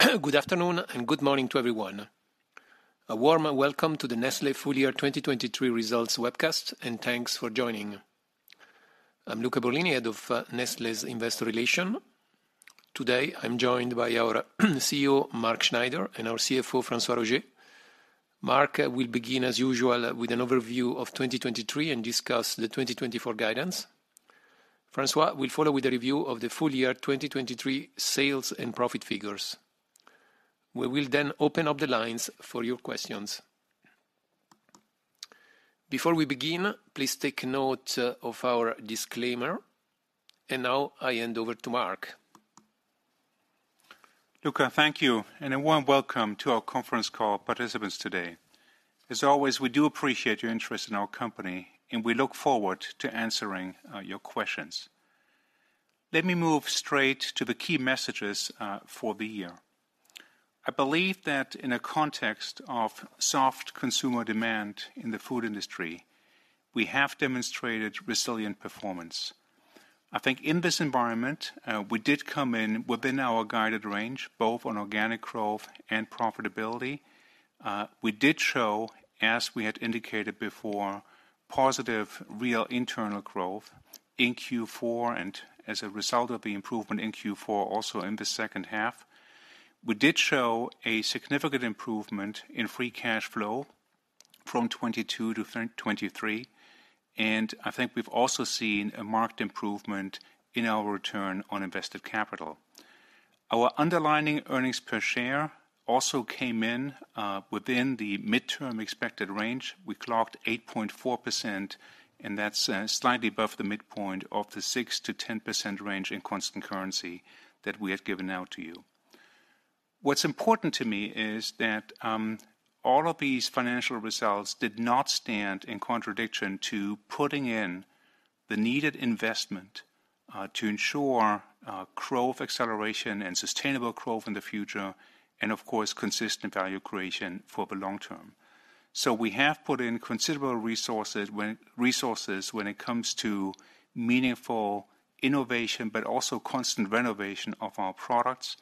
Good afternoon and good morning to everyone. A warm welcome to the Nestlé Full Year 2023 Results webcast, and thanks for joining. I'm Luca Borlini, head of Nestlé's Investor Relations. Today I'm joined by our CEO, Mark Schneider, and our CFO, François Roger. Mark will begin, as usual, with an overview of 2023 and discuss the 2024 guidance. François will follow with a review of the full year 2023 sales and profit figures. We will then open up the lines for your questions. Before we begin, please take note of our disclaimer. Now I hand over to Mark. Luca, thank you. A warm welcome to our conference call participants today. As always, we do appreciate your interest in our company, and we look forward to answering your questions. Let me move straight to the key messages for the year. I believe that in a context of soft consumer demand in the food industry, we have demonstrated resilient performance. I think in this environment, we did come in within our guided range, both on organic growth and profitability. We did show, as we had indicated before, positive real internal growth in Q4 and as a result of the improvement in Q4, also in the second half. We did show a significant improvement in free cash flow from 2022 to 2023. I think we've also seen a marked improvement in our return on invested capital. Our underlying earnings per share also came in within the midterm expected range. We clocked 8.4%, and that's slightly above the midpoint of the 6%-10% range in constant currency that we had given out to you. What's important to me is that all of these financial results did not stand in contradiction to putting in the needed investment to ensure growth acceleration and sustainable growth in the future, and of course, consistent value creation for the long term. So we have put in considerable resources when it comes to meaningful innovation but also constant renovation of our products.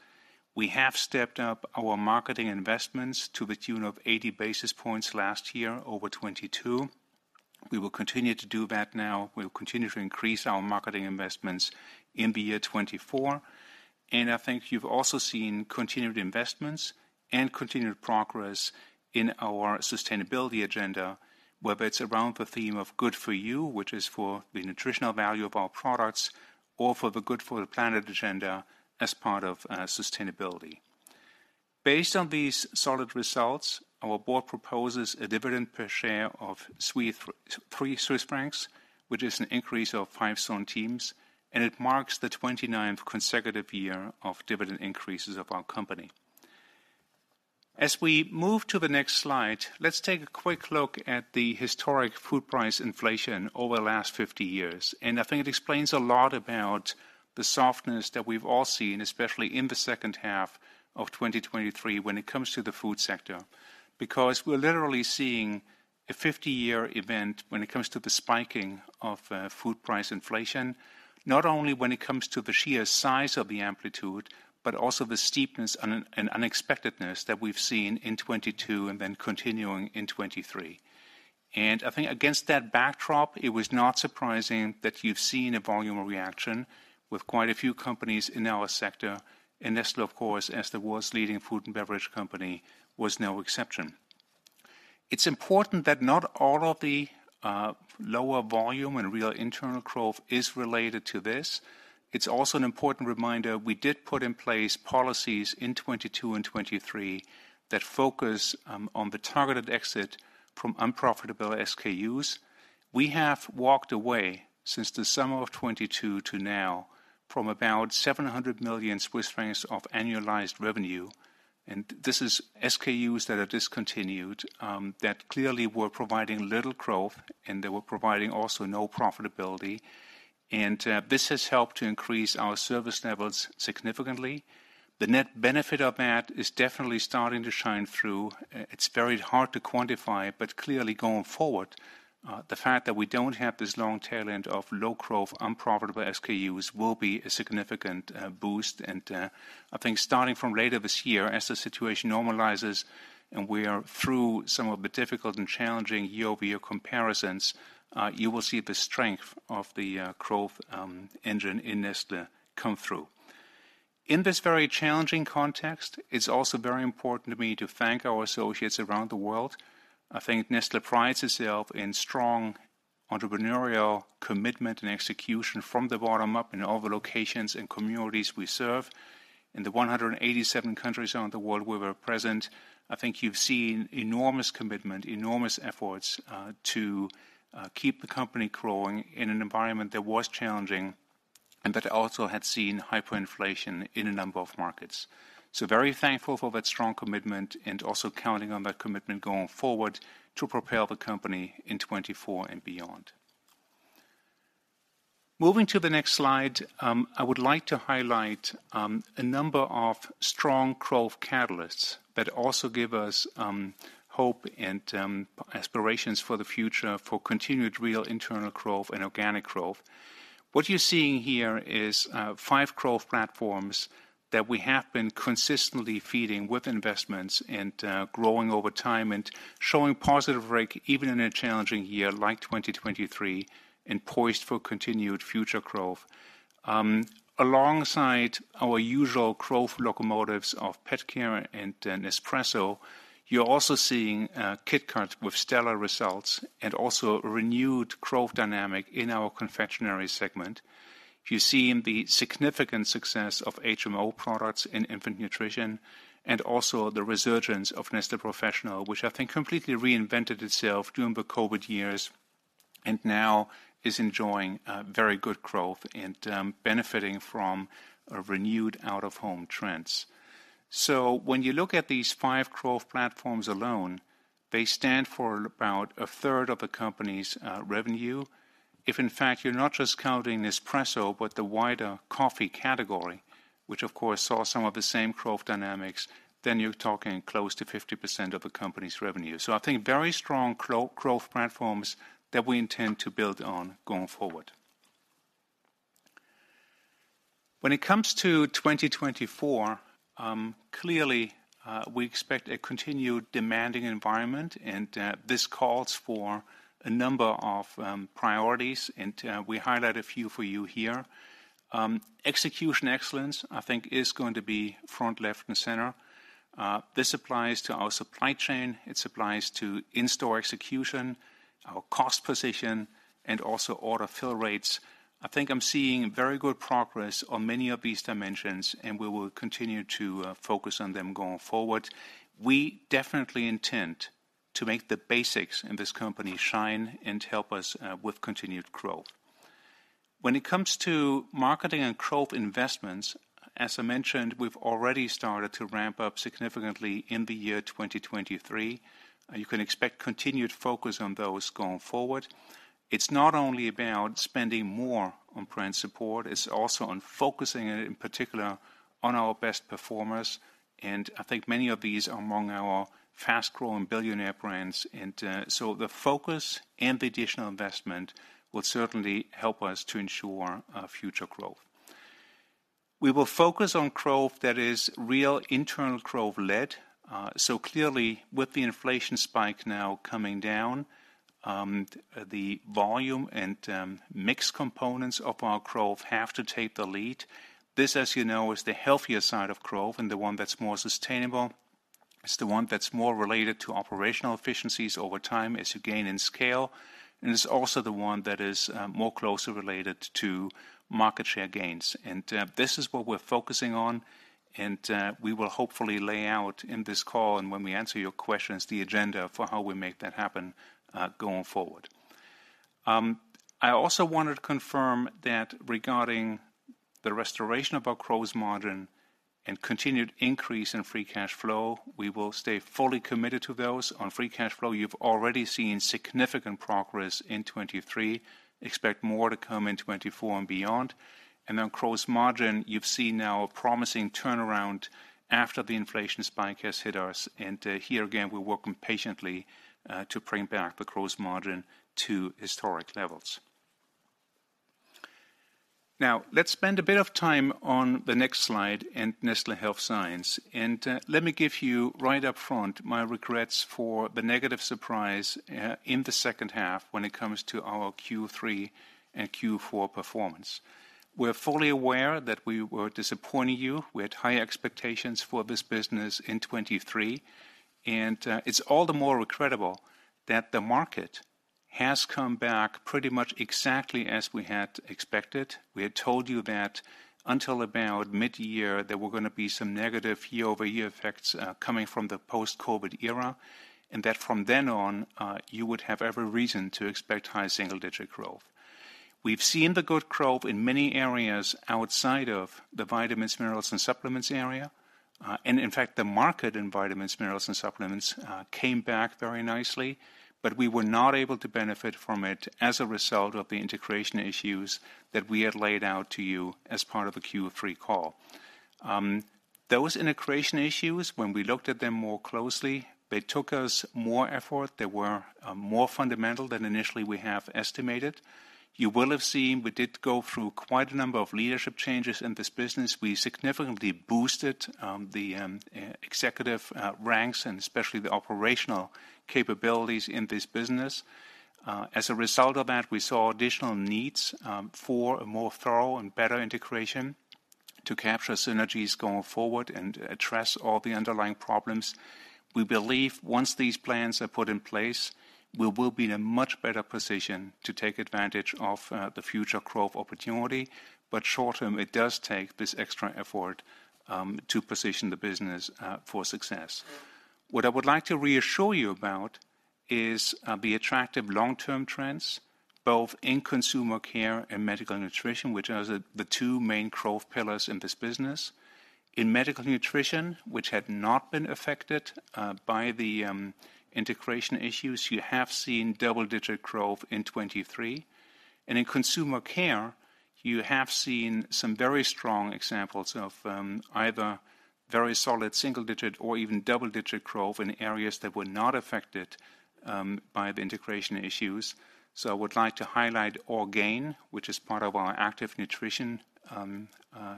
We have stepped up our marketing investments to the tune of 80 basis points last year over 2022. We will continue to do that now. We will continue to increase our marketing investments in the year 2024. I think you've also seen continued investments and continued progress in our sustainability agenda, whether it's around the theme of Good for You, which is for the nutritional value of our products, or for the Good for the Planet agenda as part of sustainability. Based on these solid results, our board proposes a dividend per share of 3 Swiss francs, which is an increase of 5 centimes. It marks the 29th consecutive year of dividend increases of our company. As we move to the next slide, let's take a quick look at the historic food price inflation over the last 50 years. I think it explains a lot about the softness that we've all seen, especially in the second half of 2023, when it comes to the food sector. Because we're literally seeing a 50-year event when it comes to the spiking of food price inflation, not only when it comes to the sheer size of the amplitude but also the steepness and unexpectedness that we've seen in 2022 and then continuing in 2023. I think against that backdrop, it was not surprising that you've seen a volume reaction with quite a few companies in our sector. Nestlé, of course, as the world's leading food and beverage company, was no exception. It's important that not all of the lower volume and real internal growth is related to this. It's also an important reminder we did put in place policies in 2022 and 2023 that focus on the targeted exit from unprofitable SKUs. We have walked away, since the summer of 2022 to now, from about 700 million Swiss francs of annualized revenue. This is SKUs that are discontinued that clearly were providing little growth, and they were providing also no profitability. This has helped to increase our service levels significantly. The net benefit of that is definitely starting to shine through. It's very hard to quantify, but clearly, going forward, the fact that we don't have this long tail end of low-growth, unprofitable SKUs will be a significant boost. I think starting from later this year, as the situation normalizes and we are through some of the difficult and challenging year-over-year comparisons, you will see the strength of the growth engine in Nestlé come through. In this very challenging context, it's also very important to me to thank our associates around the world. I think Nestlé prides itself on strong entrepreneurial commitment and execution from the bottom up in all the locations and communities we serve. In the 187 countries around the world where we're present, I think you've seen enormous commitment, enormous efforts to keep the company growing in an environment that was challenging and that also had seen hyperinflation in a number of markets. So very thankful for that strong commitment and also counting on that commitment going forward to propel the company in 2024 and beyond. Moving to the next slide, I would like to highlight a number of strong growth catalysts that also give us hope and aspirations for the future for continued real internal growth and organic growth. What you're seeing here is five growth platforms that we have been consistently feeding with investments and growing over time and showing positive rate even in a challenging year like 2023 and poised for continued future growth. Alongside our usual growth locomotives of PetCare and Nespresso, you're also seeing KitKat with stellar results and also a renewed growth dynamic in our confectionery segment. You see the significant success of HMO products in infant nutrition and also the resurgence of Nestlé Professional, which I think completely reinvented itself during the COVID years and now is enjoying very good growth and benefiting from renewed out-of-home trends. So when you look at these five growth platforms alone, they stand for about a third of the company's revenue. If, in fact, you're not just counting Nespresso but the wider coffee category, which, of course, saw some of the same growth dynamics, then you're talking close to 50% of the company's revenue. So I think very strong growth platforms that we intend to build on going forward. When it comes to 2024, clearly, we expect a continued demanding environment. This calls for a number of priorities. We highlight a few for you here. Execution excellence, I think, is going to be front, left, and center. This applies to our supply chain. It applies to in-store execution, our cost position, and also order fill rates. I think I'm seeing very good progress on many of these dimensions, and we will continue to focus on them going forward. We definitely intend to make the basics in this company shine and help us with continued growth. When it comes to marketing and growth investments, as I mentioned, we've already started to ramp up significantly in the year 2023. You can expect continued focus on those going forward. It's not only about spending more on brand support. It's also on focusing, in particular, on our best performers. I think many of these are among our Billionaire Brands. So the focus and the additional investment will certainly help us to ensure future growth. We will focus on growth that is real internal growth-led. So clearly, with the inflation spike now coming down, the volume and mixed components of our growth have to take the lead. This, as you know, is the healthier side of growth and the one that's more sustainable. It's the one that's more related to operational efficiencies over time as you gain in scale. It's also the one that is more closely related to market share gains. This is what we're focusing on. We will hopefully lay out in this call and when we answer your questions the agenda for how we make that happen going forward. I also wanted to confirm that regarding the restoration of our gross margin and continued increase in free cash flow, we will stay fully committed to those. On free cash flow, you've already seen significant progress in 2023. Expect more to come in 2024 and beyond. On gross margin, you've seen now a promising turnaround after the inflation spike has hit us. Here again, we're working patiently to bring back the gross margin to historic levels. Now, let's spend a bit of time on the next slide and Nestlé Health Science. Let me give you, right up front, my regrets for the negative surprise in the second half when it comes to our Q3 and Q4 performance. We're fully aware that we were disappointing you. We had high expectations for this business in 2023. It's all the more regrettable that the market has come back pretty much exactly as we had expected. We had told you that until about midyear there were going to be some negative year-over-year effects coming from the post-COVID era and that from then on you would have every reason to expect high single-digit growth. We've seen the good growth in many areas outside of the vitamins, minerals, and supplements area. And in fact, the market in vitamins, minerals, and supplements came back very nicely. But we were not able to benefit from it as a result of the integration issues that we had laid out to you as part of the Q3 call. Those integration issues, when we looked at them more closely, they took us more effort. They were more fundamental than initially we have estimated. You will have seen we did go through quite a number of leadership changes in this business. We significantly boosted the executive ranks and especially the operational capabilities in this business. As a result of that, we saw additional needs for a more thorough and better integration to capture synergies going forward and address all the underlying problems. We believe once these plans are put in place, we will be in a much better position to take advantage of the future growth opportunity. But short term, it does take this extra effort to position the business for success. What I would like to reassure you about is the attractive long-term trends, both in consumer care and medical nutrition, which are the two main growth pillars in this business. In medical nutrition, which had not been affected by the integration issues, you have seen double-digit growth in 2023. In consumer care, you have seen some very strong examples of either very solid single-digit or even double-digit growth in areas that were not affected by the integration issues. I would like to highlight Orgain, which is part of our active nutrition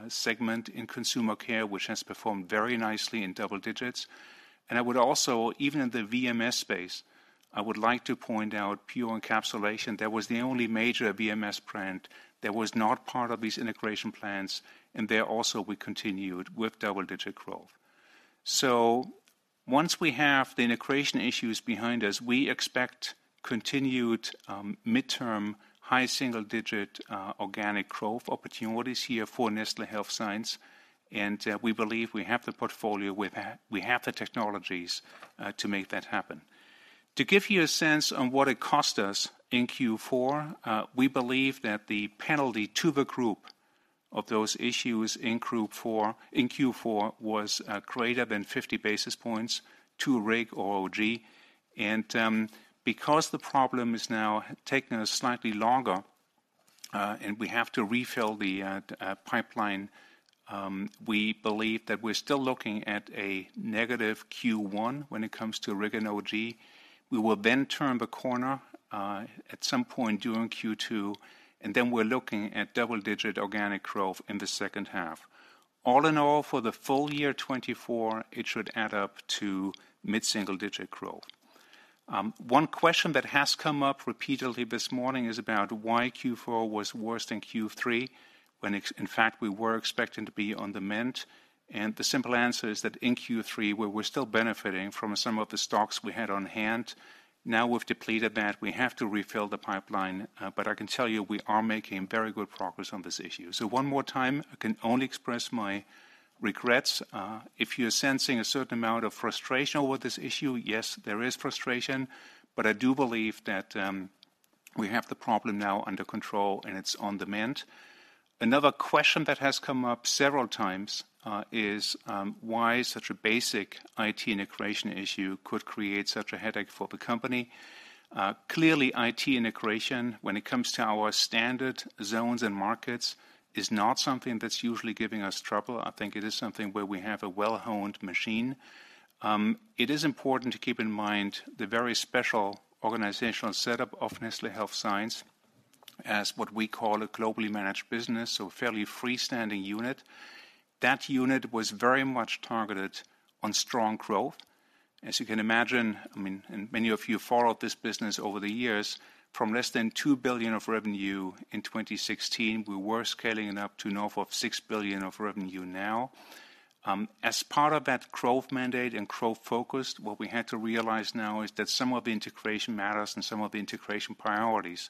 segment in consumer care, which has performed very nicely in double digits. I would also, even in the VMS space, I would like to point out Pure Encapsulations. That was the only major VMS brand that was not part of these integration plans. There also, we continued with double-digit growth. Once we have the integration issues behind us, we expect continued midterm high single-digit organic growth opportunities here for Nestlé Health Science. We believe we have the portfolio. We have the technologies to make that happen. To give you a sense on what it cost us in Q4, we believe that the penalty to the group of those issues in Q4 was greater than 50 basis points to RIG or OG. Because the problem is now taking us slightly longer and we have to refill the pipeline, we believe that we're still looking at a negative Q1 when it comes to RIG and OG. We will then turn the corner at some point during Q2. And then we're looking at double-digit organic growth in the second half. All in all, for the full year 2024, it should add up to mid-single-digit growth. One question that has come up repeatedly this morning is about why Q4 was worse than Q3 when, in fact, we were expecting to be on demand. The simple answer is that in Q3, we were still benefiting from some of the stocks we had on hand. Now we've depleted that. We have to refill the pipeline. But I can tell you we are making very good progress on this issue. So one more time, I can only express my regrets. If you're sensing a certain amount of frustration over this issue, yes, there is frustration. But I do believe that we have the problem now under control, and it's on demand. Another question that has come up several times is why such a basic IT integration issue could create such a headache for the company. Clearly, IT integration, when it comes to our standard zones and markets, is not something that's usually giving us trouble. I think it is something where we have a well-honed machine. It is important to keep in mind the very special organizational setup of Nestlé Health Science as what we call a globally managed business, so a fairly freestanding unit. That unit was very much targeted on strong growth. As you can imagine, I mean, and many of you followed this business over the years, from less than $2 billion of revenue in 2016, we were scaling it up to north of $6 billion of revenue now. As part of that growth mandate and growth focus, what we had to realize now is that some of the integration matters and some of the integration priorities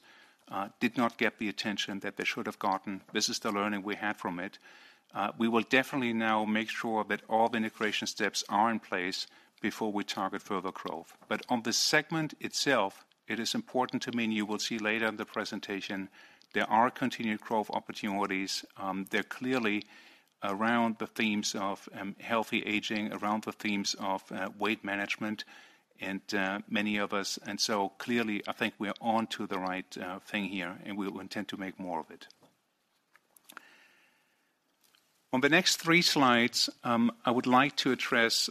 did not get the attention that they should have gotten. This is the learning we had from it. We will definitely now make sure that all the integration steps are in place before we target further growth. But on the segment itself, it is important to me, and you will see later in the presentation, there are continued growth opportunities. They're clearly around the themes of healthy aging, around the themes of weight management and menopause. So clearly, I think we're on to the right thing here, and we will intend to make more of it. On the next three slides, I would like to address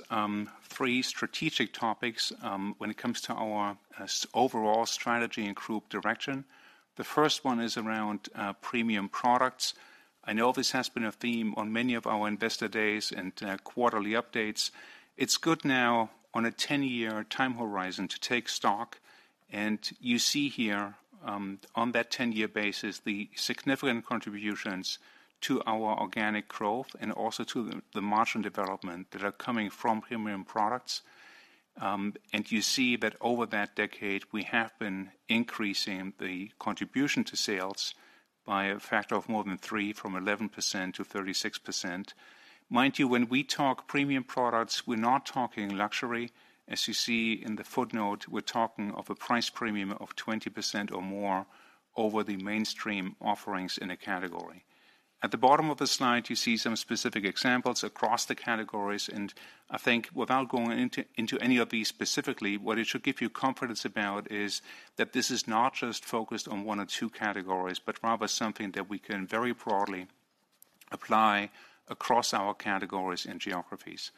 three strategic topics when it comes to our overall strategy and group direction. The first one is around premium products. I know this has been a theme on many of our investor days and quarterly updates. It's good now, on a 10-year time horizon, to take stock. You see here, on that 10-year basis, the significant contributions to our organic growth and also to the margin development that are coming from premium products. You see that over that decade, we have been increasing the contribution to sales by a factor of more than 3, from 11% to 36%. Mind you, when we talk premium products, we're not talking luxury. As you see in the footnote, we're talking of a price premium of 20% or more over the mainstream offerings in a category. At the bottom of the slide, you see some specific examples across the categories. And I think without going into any of these specifically, what it should give you confidence about is that this is not just focused on one or two categories but rather something that we can very broadly apply across our categories and geographies.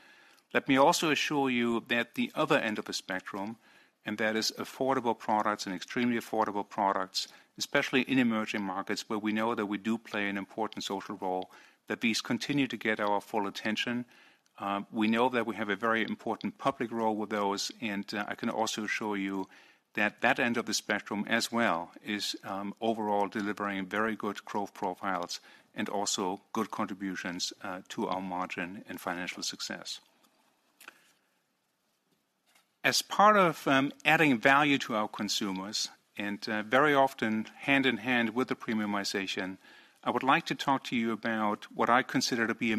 Let me also assure you that the other end of the spectrum, and that is affordable products and extremely affordable products, especially in emerging markets where we know that we do play an important social role, that these continue to get our full attention. We know that we have a very important public role with those. And I can also assure you that that end of the spectrum as well is overall delivering very good growth profiles and also good contributions to our margin and financial success. As part of adding value to our consumers and very often hand in hand with the premiumization, I would like to talk to you about what I consider to be a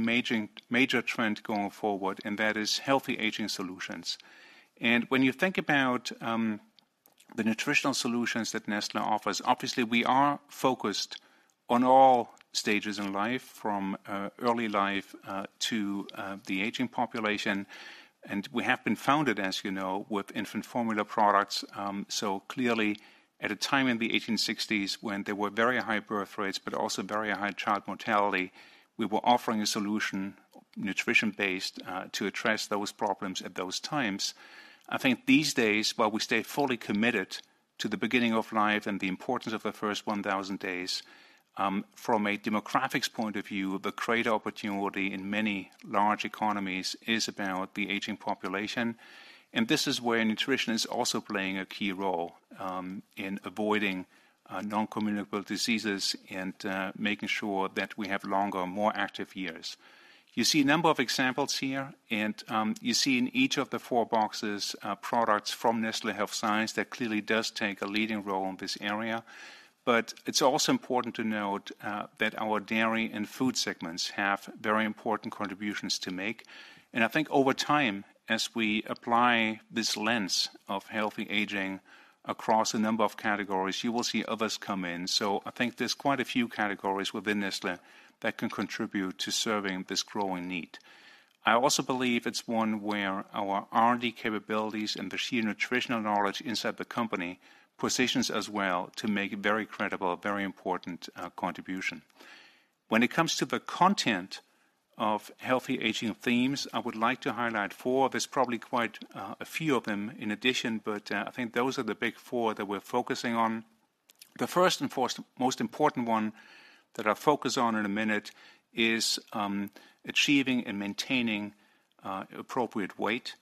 major trend going forward, and that is healthy aging solutions. When you think about the nutritional solutions that Nestlé offers, obviously, we are focused on all stages in life, from early life to the aging population. We have been founded, as you know, with infant formula products. Clearly, at a time in the 1860s when there were very high birth rates but also very high child mortality, we were offering a solution, nutrition-based, to address those problems at those times. I think these days, while we stay fully committed to the beginning of life and the importance of the first 1,000 days, from a demographics point of view, the creator opportunity in many large economies is about the aging population. This is where nutrition is also playing a key role in avoiding noncommunicable diseases and making sure that we have longer, more active years. You see a number of examples here. You see in each of the four boxes products from Nestlé Health Science that clearly does take a leading role in this area. It's also important to note that our dairy and food segments have very important contributions to make. I think over time, as we apply this lens of healthy aging across a number of categories, you will see others come in. I think there's quite a few categories within Nestlé that can contribute to serving this growing need. I also believe it's one where our R&D capabilities and the sheer nutritional knowledge inside the company positions us well to make a very credible, very important contribution. When it comes to the content of healthy aging themes, I would like to highlight four. There's probably quite a few of them in addition. I think those are the big four that we're focusing on. The first and most important one that I'll focus on in a minute is achieving and maintaining appropriate weight.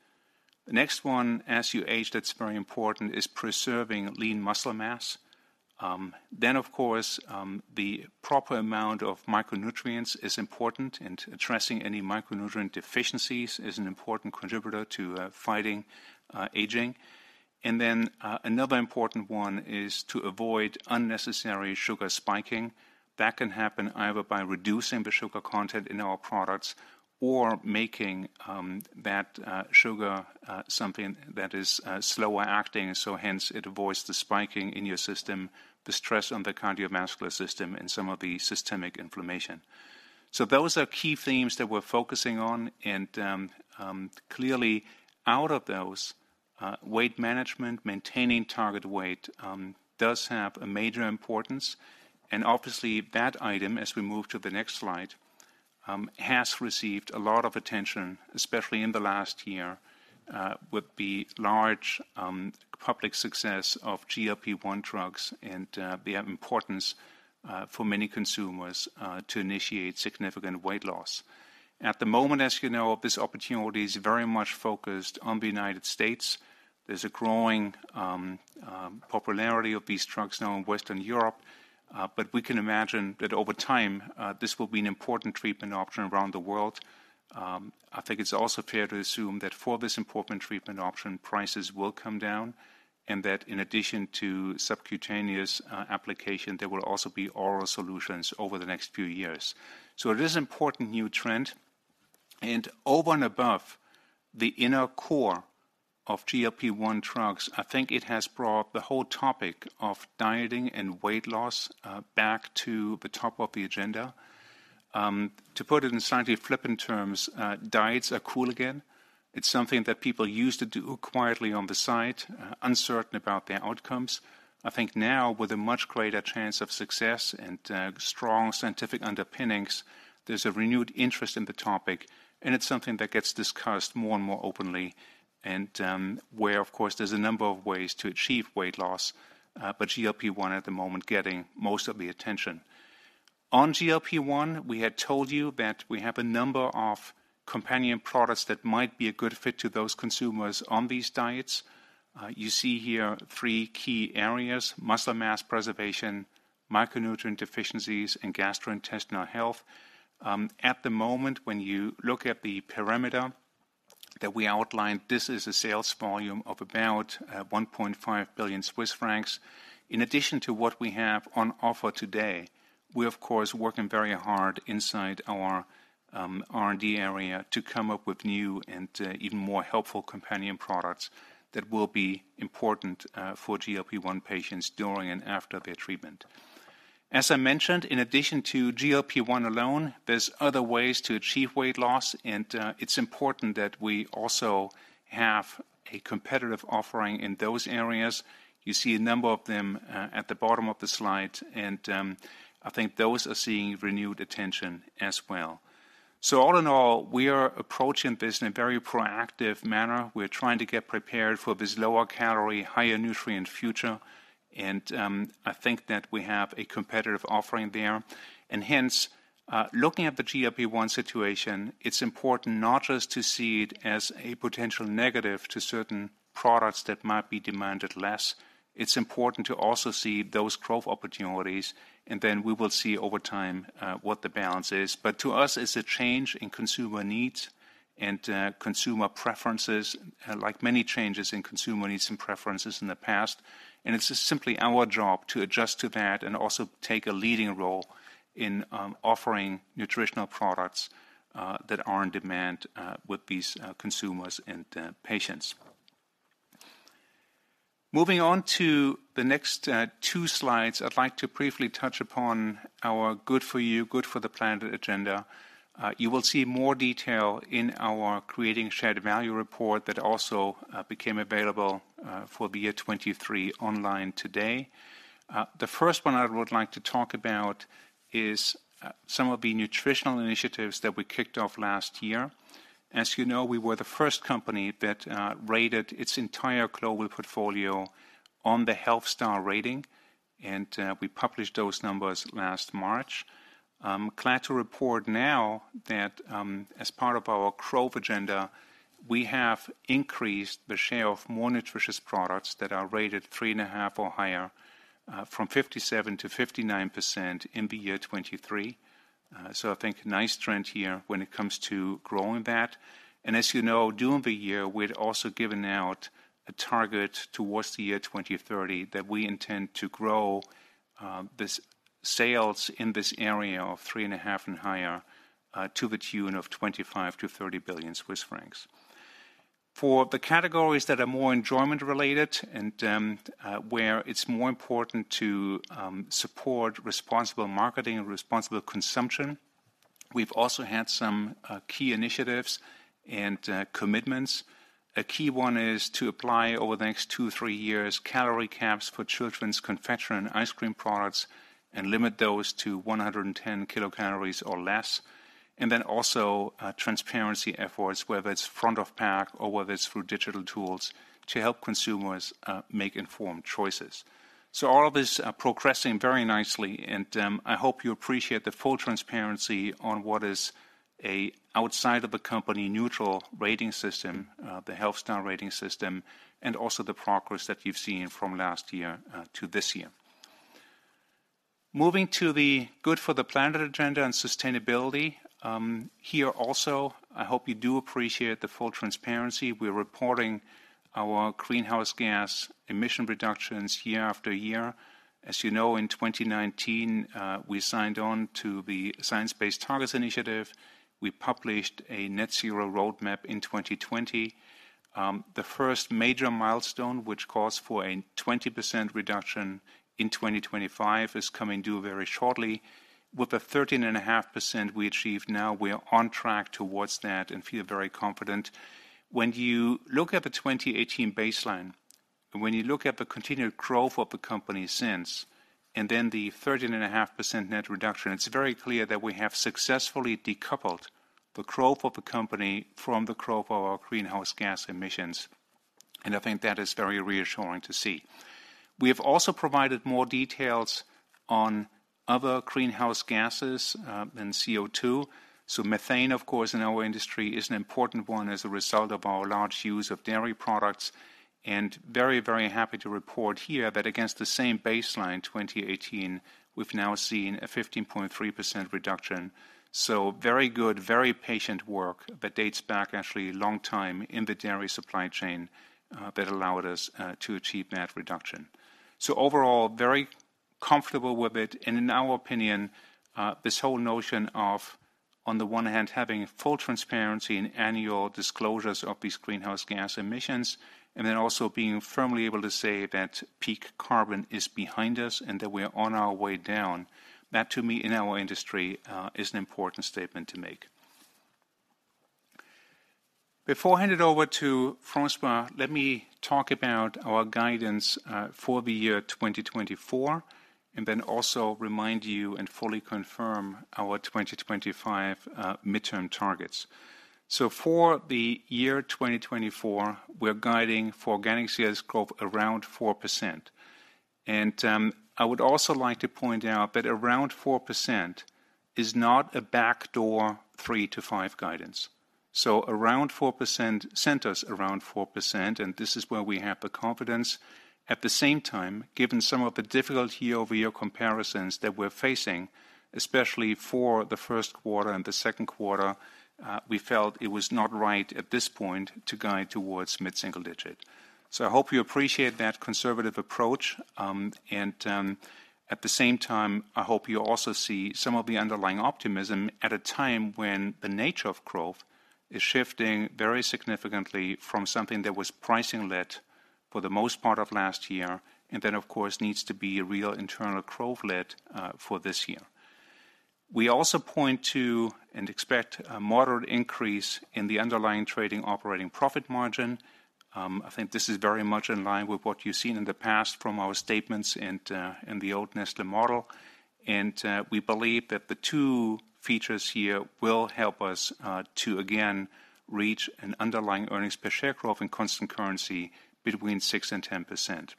The next one, as you age, that's very important, is preserving lean muscle mass. Then, of course, the proper amount of micronutrients is important. Addressing any micronutrient deficiencies is an important contributor to fighting aging. Another important one is to avoid unnecessary sugar spiking. That can happen either by reducing the sugar content in our products or making that sugar something that is slower acting. Hence, it avoids the spiking in your system, the stress on the cardiovascular system, and some of the systemic inflammation. Those are key themes that we're focusing on. Clearly, out of those, weight management, maintaining target weight, does have a major importance. Obviously, that item, as we move to the next slide, has received a lot of attention, especially in the last year, with the large public success of GLP-1 drugs. They have importance for many consumers to initiate significant weight loss. At the moment, as you know, this opportunity is very much focused on the United States. There's a growing popularity of these drugs now in Western Europe. But we can imagine that over time, this will be an important treatment option around the world. I think it's also fair to assume that for this important treatment option, prices will come down and that, in addition to subcutaneous application, there will also be oral solutions over the next few years. It is an important new trend. Over and above the inner core of GLP-1 drugs, I think it has brought the whole topic of dieting and weight loss back to the top of the agenda. To put it in slightly flippant terms, diets are cool again. It's something that people used to do quietly on the side, uncertain about their outcomes. I think now, with a much greater chance of success and strong scientific underpinnings, there's a renewed interest in the topic. And it's something that gets discussed more and more openly and where, of course, there's a number of ways to achieve weight loss. But GLP-1 at the moment is getting most of the attention. On GLP-1, we had told you that we have a number of companion products that might be a good fit to those consumers on these diets. You see here three key areas: muscle mass preservation, micronutrient deficiencies, and gastrointestinal health. At the moment, when you look at the parameter that we outlined, this is a sales volume of about 1.5 billion Swiss francs. In addition to what we have on offer today, we're, of course, working very hard inside our R&D area to come up with new and even more helpful companion products that will be important for GLP-1 patients during and after their treatment. As I mentioned, in addition to GLP-1 alone, there's other ways to achieve weight loss. It's important that we also have a competitive offering in those areas. You see a number of them at the bottom of the slide. I think those are seeing renewed attention as well. All in all, we are approaching this in a very proactive manner. We're trying to get prepared for this lower-calorie, higher-nutrient future. I think that we have a competitive offering there. Hence, looking at the GLP-1 situation, it's important not just to see it as a potential negative to certain products that might be demanded less. It's important to also see those growth opportunities. Then we will see over time what the balance is. To us, it's a change in consumer needs and consumer preferences, like many changes in consumer needs and preferences in the past. It's simply our job to adjust to that and also take a leading role in offering nutritional products that are in demand with these consumers and patients. Moving on to the next two slides, I'd like to briefly touch upon our Good for You, Good for the Planet agenda. You will see more detail in our Creating Shared Value report that also became available for the year 2023 online today. The first one I would like to talk about is some of the nutritional initiatives that we kicked off last year. As you know, we were the first company that rated its entire global portfolio on the Health Star Rating. And we published those numbers last March. Glad to report now that, as part of our growth agenda, we have increased the share of more nutritious products that are rated 3.5 or higher from 57%-59% in the year 2023. So I think a nice trend here when it comes to growing that. As you know, during the year, we had also given out a target towards the year 2030 that we intend to grow this sales in this area of 3.5 and higher to the tune of 25 billion-30 billion Swiss francs. For the categories that are more enjoyment-related and where it's more important to support responsible marketing and responsible consumption, we've also had some key initiatives and commitments. A key one is to apply, over the next 2-3 years, calorie caps for children's confection and ice cream products and limit those to 110 kilocalories or less. Then also transparency efforts, whether it's front-of-pack or whether it's through digital tools, to help consumers make informed choices. All of this is progressing very nicely. I hope you appreciate the full transparency on what is an outside-of-the-company neutral rating system, the Health Star Rating system, and also the progress that you've seen from last year to this year. Moving to the Good for the Planet agenda and sustainability, here also, I hope you do appreciate the full transparency. We're reporting our greenhouse gas emission reductions year after year. As you know, in 2019, we signed on to the Science Based Targets initiative. We published a net-zero roadmap in 2020. The first major milestone, which calls for a 20% reduction in 2025, is coming due very shortly. With the 13.5% we achieved now, we're on track towards that and feel very confident. When you look at the 2018 baseline and when you look at the continued growth of the company since and then the 13.5% net reduction, it's very clear that we have successfully decoupled the growth of the company from the growth of our greenhouse gas emissions. And I think that is very reassuring to see. We have also provided more details on other greenhouse gases than CO2. So methane, of course, in our industry is an important one as a result of our large use of dairy products. And very, very happy to report here that, against the same baseline, 2018, we've now seen a 15.3% reduction. So very good, very patient work that dates back, actually, a long time in the dairy supply chain that allowed us to achieve that reduction. So overall, very comfortable with it. In our opinion, this whole notion of, on the one hand, having full transparency in annual disclosures of these greenhouse gas emissions and then also being firmly able to say that peak carbon is behind us and that we're on our way down, that, to me, in our industry is an important statement to make. Before I hand it over to François, let me talk about our guidance for the year 2024 and then also remind you and fully confirm our 2025 midterm targets. For the year 2024, we're guiding for organic sales growth around 4%. I would also like to point out that around 4% is not a backdoor 3%-5% guidance. Around 4% centers around 4%. This is where we have the confidence. At the same time, given some of the difficult year-over-year comparisons that we're facing, especially for the first quarter and the second quarter, we felt it was not right at this point to guide towards mid-single-digit. So I hope you appreciate that conservative approach. And at the same time, I hope you also see some of the underlying optimism at a time when the nature of growth is shifting very significantly from something that was pricing-led for the most part of last year and then, of course, needs to be a real internal growth-led for this year. We also point to and expect a moderate increase in the underlying trading operating profit margin. I think this is very much in line with what you've seen in the past from our statements and the old Nestlé model. And we believe that the two features here will help us to, again, reach an underlying earnings per share growth in constant currency between 6%-10%.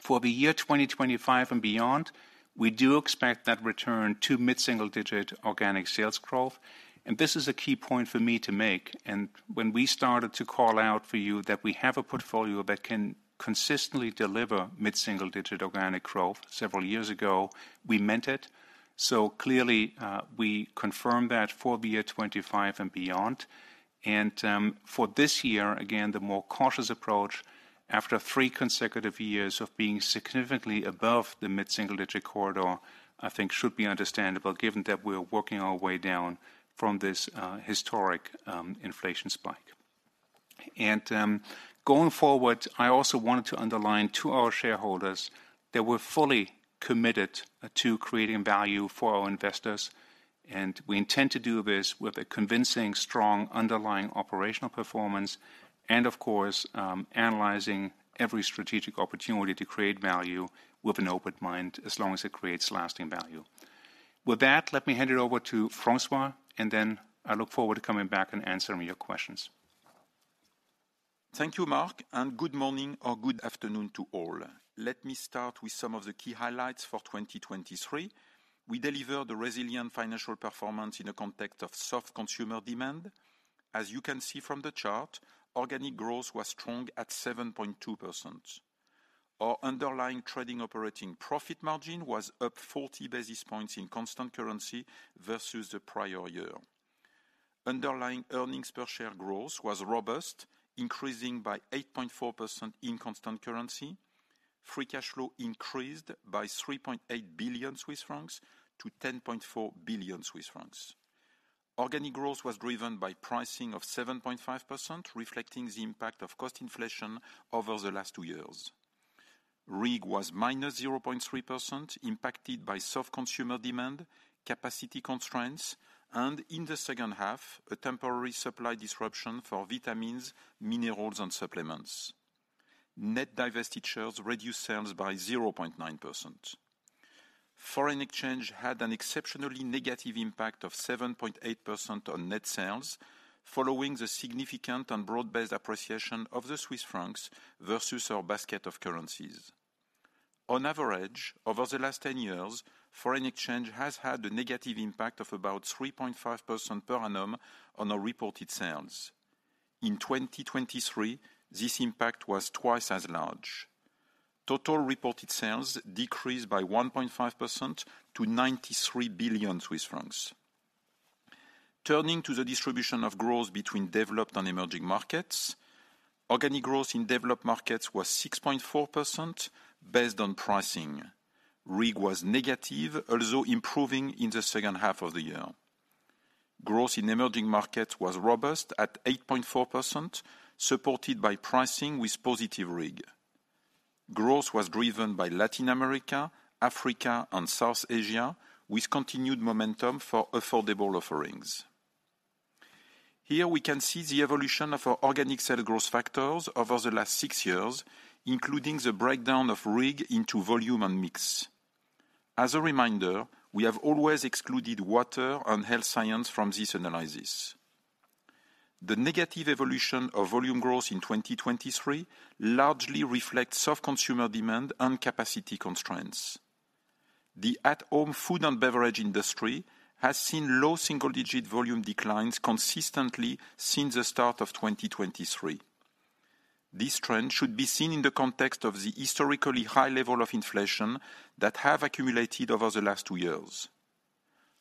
For the year 2025 and beyond, we do expect that return to mid-single digit organic sales growth. And this is a key point for me to make. And when we started to call out for you that we have a portfolio that can consistently deliver mid-single digit organic growth several years ago, we meant it. So clearly, we confirm that for the year 2025 and beyond. And for this year, again, the more cautious approach after three consecutive years of being significantly above the mid-single digit corridor, I think, should be understandable given that we're working our way down from this historic inflation spike. Going forward, I also wanted to underline to our shareholders that we're fully committed to creating value for our investors. We intend to do this with a convincing, strong underlying operational performance and, of course, analyzing every strategic opportunity to create value with an open mind as long as it creates lasting value. With that, let me hand it over to François. Then I look forward to coming back and answering your questions. Thank you, Marc. Good morning or good afternoon to all. Let me start with some of the key highlights for 2023. We delivered a resilient financial performance in the context of soft consumer demand. As you can see from the chart, organic growth was strong at 7.2%. Our underlying trading operating profit margin was up 40 basis points in constant currency versus the prior year. Underlying earnings per share growth was robust, increasing by 8.4% in constant currency. Free cash flow increased by 3.8 billion Swiss francs to 10.4 billion Swiss francs. Organic growth was driven by pricing of 7.5%, reflecting the impact of cost inflation over the last two years. RIG was -0.3%, impacted by soft consumer demand, capacity constraints, and, in the second half, a temporary supply disruption for vitamins, minerals, and supplements. Net divestitures reduced sales by 0.9%. Foreign exchange had an exceptionally negative impact of 7.8% on net sales, following the significant and broad-based appreciation of the Swiss franc versus our basket of currencies. On average, over the last 10 years, foreign exchange has had a negative impact of about 3.5% per annum on our reported sales. In 2023, this impact was twice as large. Total reported sales decreased by 1.5% to 93 billion Swiss francs. Turning to the distribution of growth between developed and emerging markets, organic growth in developed markets was 6.4% based on pricing. RIG was negative, also improving in the second half of the year. Growth in emerging markets was robust at 8.4%, supported by pricing with positive RIG. Growth was driven by Latin America, Africa, and South Asia, with continued momentum for affordable offerings. Here, we can see the evolution of our organic sales growth factors over the last six years, including the breakdown of RIG into volume and mix. As a reminder, we have always excluded water and health science from this analysis. The negative evolution of volume growth in 2023 largely reflects soft consumer demand and capacity constraints. The at-home food and beverage industry has seen low single-digit volume declines consistently since the start of 2023. This trend should be seen in the context of the historically high level of inflation that has accumulated over the last two years.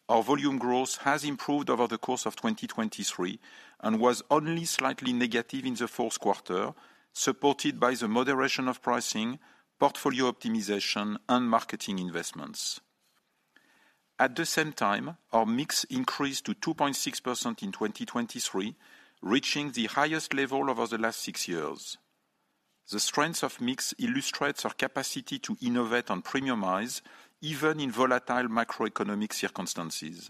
Our volume growth has improved over the course of 2023 and was only slightly negative in the fourth quarter, supported by the moderation of pricing, portfolio optimization, and marketing investments. At the same time, our mix increased to 2.6% in 2023, reaching the highest level over the last six years. The strength of mix illustrates our capacity to innovate and premiumize even in volatile macroeconomic circumstances.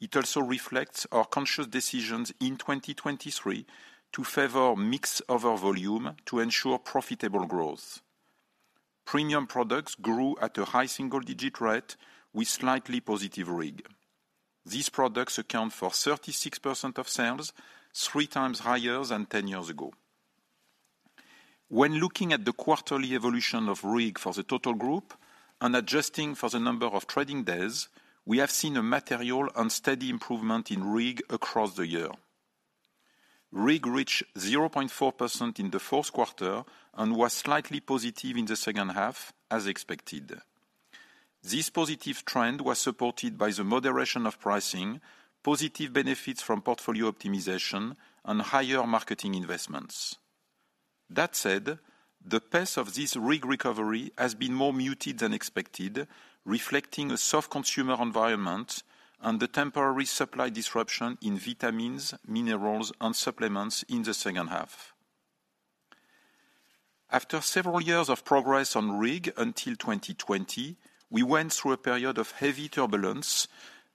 It also reflects our conscious decisions in 2023 to favor mix over volume to ensure profitable growth. Premium products grew at a high single-digit rate with slightly positive RIG. These products account for 36% of sales, three times higher than 10 years ago. When looking at the quarterly evolution of RIG for the total group and adjusting for the number of trading days, we have seen a material and steady improvement in RIG across the year. RIG reached 0.4% in the fourth quarter and was slightly positive in the second half, as expected. This positive trend was supported by the moderation of pricing, positive benefits from portfolio optimization, and higher marketing investments. That said, the pace of this RIG recovery has been more muted than expected, reflecting a soft consumer environment and the temporary supply disruption in vitamins, minerals, and supplements in the second half. After several years of progress on RIG until 2020, we went through a period of heavy turbulence,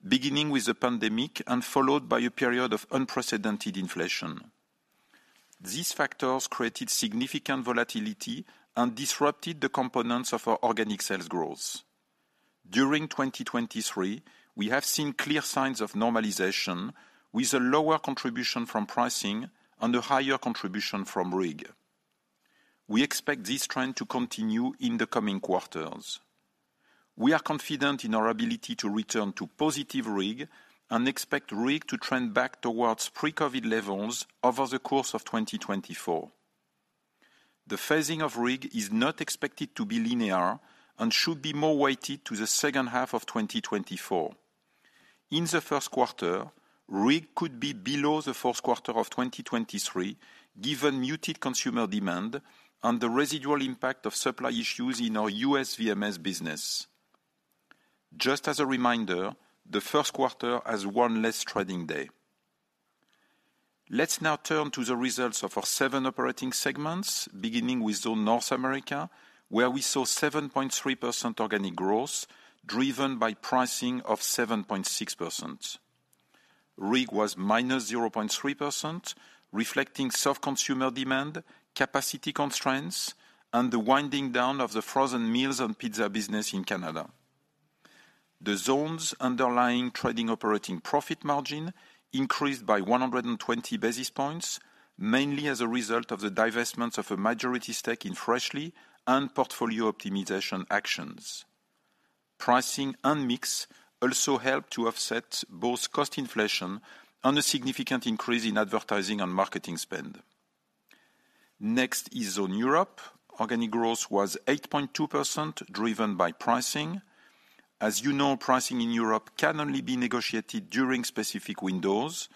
beginning with the pandemic and followed by a period of unprecedented inflation. These factors created significant volatility and disrupted the components of our organic sales growth. During 2023, we have seen clear signs of normalization with a lower contribution from pricing and a higher contribution from RIG. We expect this trend to continue in the coming quarters. We are confident in our ability to return to positive RIG and expect RIG to trend back towards pre-COVID levels over the course of 2024. The phasing of RIG is not expected to be linear and should be more weighted to the second half of 2024. In the first quarter, RIG could be below the fourth quarter of 2023 given muted consumer demand and the residual impact of supply issues in our U.S. VMS business. Just as a reminder, the first quarter has one less trading day. Let's now turn to the results of our seven operating segments, beginning with Zone North America, where we saw 7.3% organic growth driven by pricing of 7.6%. RIG was -0.3%, reflecting soft consumer demand, capacity constraints, and the winding down of the frozen meals and pizza business in Canada. The zone's underlying trading operating profit margin increased by 120 basis points, mainly as a result of the divestments of a majority stake in Freshly and portfolio optimization actions. Pricing and mix also helped to offset both cost inflation and a significant increase in advertising and marketing spend. Next is Zone Europe. Organic growth was 8.2% driven by pricing. As you know, pricing in Europe can only be negotiated during specific windows.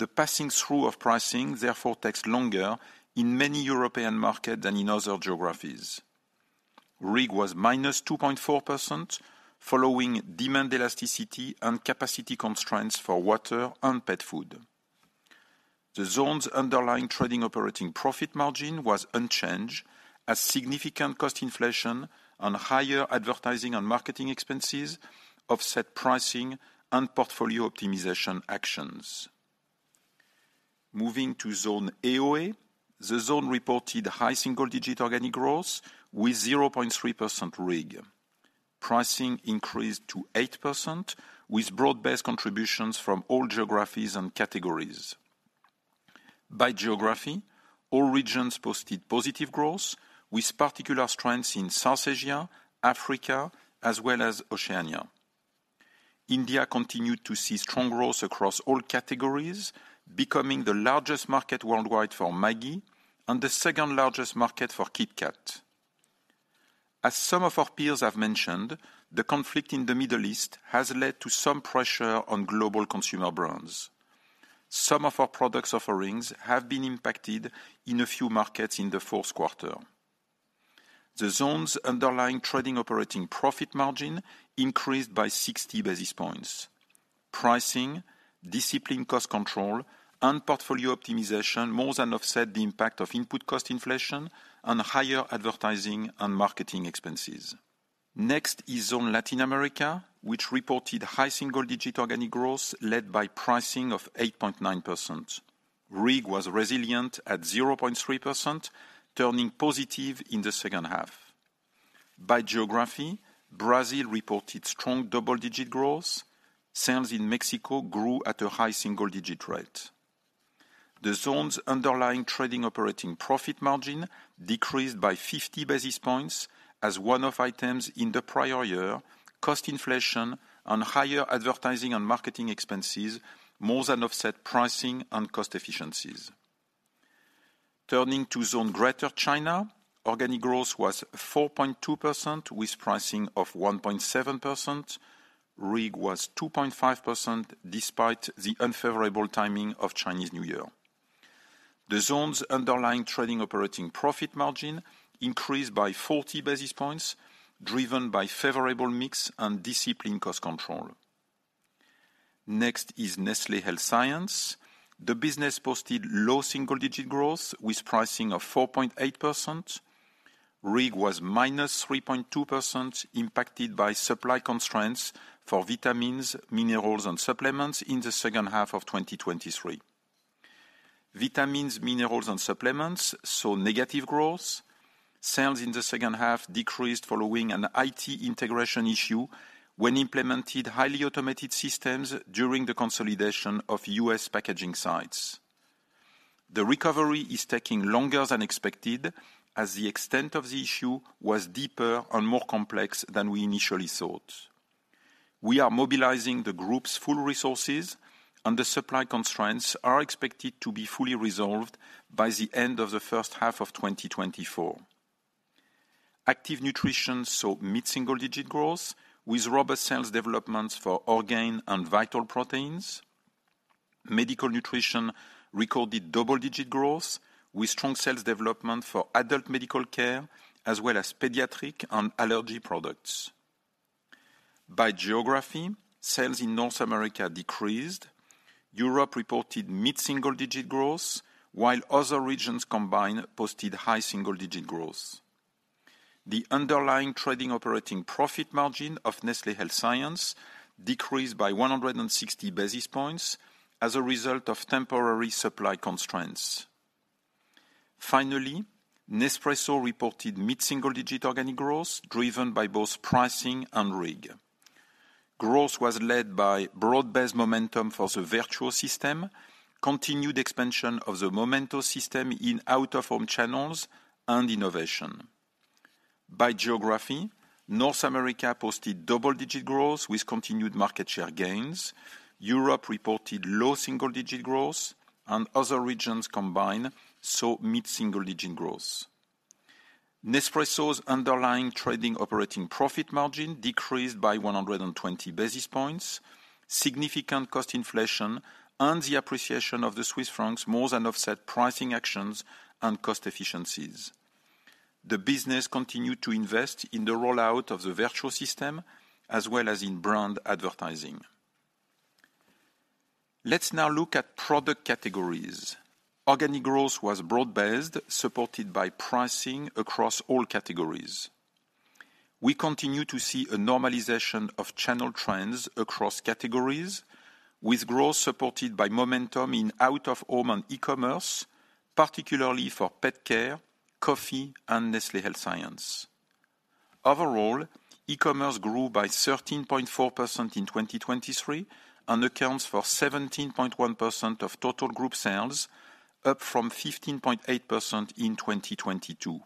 The passing through of pricing, therefore, takes longer in many European markets than in other geographies. RIG was -2.4%, following demand elasticity and capacity constraints for water and pet food. The zone's underlying trading operating profit margin was unchanged, as significant cost inflation and higher advertising and marketing expenses offset pricing and portfolio optimization actions. Moving to Zone AOA, the zone reported high single-digit organic growth with 0.3% RIG. Pricing increased to 8% with broad-based contributions from all geographies and categories. By geography, all regions posted positive growth with particular strengths in South Asia, Africa, as well as Oceania. India continued to see strong growth across all categories, becoming the largest market worldwide for Maggi and the second-largest market for KitKat. As some of our peers have mentioned, the conflict in the Middle East has led to some pressure on global consumer brands. Some of our products' offerings have been impacted in a few markets in the fourth quarter. The zone's underlying trading operating profit margin increased by 60 basis points. Pricing, disciplined cost control, and portfolio optimization more than offset the impact of input cost inflation and higher advertising and marketing expenses. Next is Zone Latin America, which reported high single-digit organic growth led by pricing of 8.9%. RIG was resilient at 0.3%, turning positive in the second half. By geography, Brazil reported strong double-digit growth. Sales in Mexico grew at a high single-digit rate. The zone's underlying trading operating profit margin decreased by 50 basis points as one-off items in the prior year, cost inflation, and higher advertising and marketing expenses more than offset pricing and cost efficiencies. Turning to Zone Greater China, organic growth was 4.2% with pricing of 1.7%. RIG was 2.5% despite the unfavorable timing of Chinese New Year. The zone's underlying trading operating profit margin increased by 40 basis points, driven by favorable mix and disciplined cost control. Next is Nestlé Health Science. The business posted low single-digit growth with pricing of 4.8%. RIG was -3.2%, impacted by supply constraints for vitamins, minerals, and supplements in the second half of 2023. Vitamins, minerals, and supplements saw negative growth. Sales in the second half decreased following an IT integration issue when implemented highly automated systems during the consolidation of U.S. packaging sites. The recovery is taking longer than expected as the extent of the issue was deeper and more complex than we initially thought. We are mobilizing the group's full resources, and the supply constraints are expected to be fully resolved by the end of the first half of 2024. Active nutrition saw mid-single-digit growth with robust sales developments for Orgain and Vital Proteins. Medical nutrition recorded double-digit growth with strong sales development for adult medical care, as well as pediatric and allergy products. By geography, sales in North America decreased. Europe reported mid-single-digit growth, while other regions combined posted high single-digit growth. The underlying trading operating profit margin of Nestlé Health Science decreased by 160 basis points as a result of temporary supply constraints. Finally, Nespresso reported mid-single-digit organic growth driven by both pricing and RIG. Growth was led by broad-based momentum for the Vertuo system, continued expansion of the Momento system in out-of-home channels, and innovation. By geography, North America posted double-digit growth with continued market share gains. Europe reported low single-digit growth, and other regions combined saw mid-single-digit growth. Nespresso's underlying trading operating profit margin decreased by 120 basis points. Significant cost inflation and the appreciation of the Swiss francs more than offset pricing actions and cost efficiencies. The business continued to invest in the rollout of the Vertuo system, as well as in brand advertising. Let's now look at product categories. Organic growth was broad-based, supported by pricing across all categories. We continue to see a normalization of channel trends across categories, with growth supported by momentum in out-of-home and e-commerce, particularly for PetCare, coffee, and Nestlé Health Science. Overall, e-commerce grew by 13.4% in 2023 and accounts for 17.1% of total group sales, up from 15.8% in 2022.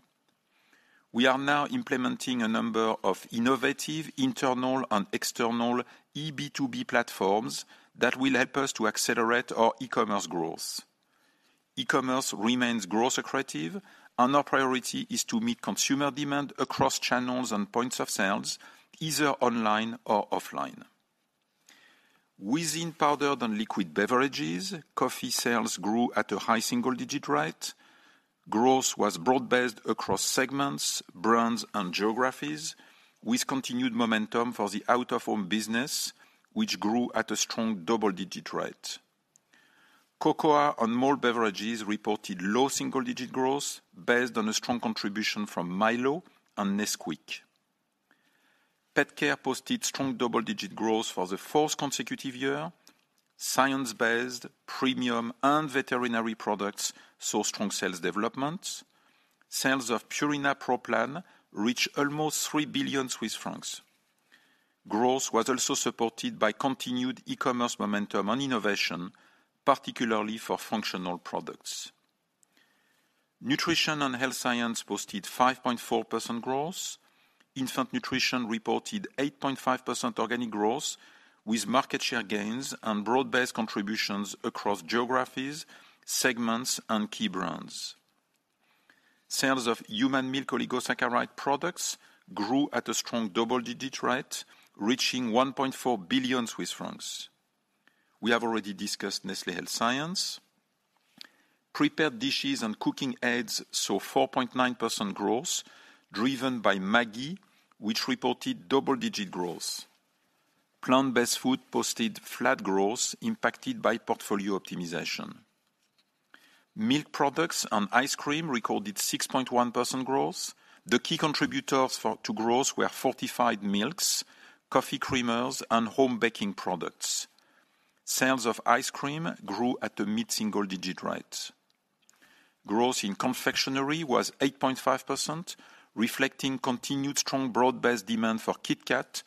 We are now implementing a number of innovative internal and external eB2B platforms that will help us to accelerate our e-commerce growth. E-commerce remains growth-attractive, and our priority is to meet consumer demand across channels and points of sales, either online or offline. Within powdered and liquid beverages, coffee sales grew at a high single-digit rate. Growth was broad-based across segments, brands, and geographies, with continued momentum for the out-of-home business, which grew at a strong double-digit rate. Cocoa and malt beverages reported low single-digit growth based on a strong contribution from Milo and Nesquik. PetCare posted strong double-digit growth for the fourth consecutive year. Science-based, premium, and veterinary products saw strong sales developments. Sales of Purina Pro Plan reached almost 3 billion Swiss francs. Growth was also supported by continued e-commerce momentum and innovation, particularly for functional products. Nutrition and health science posted 5.4% growth. Infant nutrition reported 8.5% organic growth, with market share gains and broad-based contributions across geographies, segments, and key brands. Sales of human milk oligosaccharide products grew at a strong double-digit rate, reaching 1.4 billion Swiss francs. We have already discussed Nestlé Health Science. Prepared dishes and cooking aids saw 4.9% growth, driven by Maggi, which reported double-digit growth. Plant-based food posted flat growth, impacted by portfolio optimization. Milk products and ice cream recorded 6.1% growth. The key contributors to growth were fortified milks, coffee creamers, and home baking products. Sales of ice cream grew at a mid-single-digit rate. Growth in confectionery was 8.5%, reflecting continued strong broad-based demand for KitKat,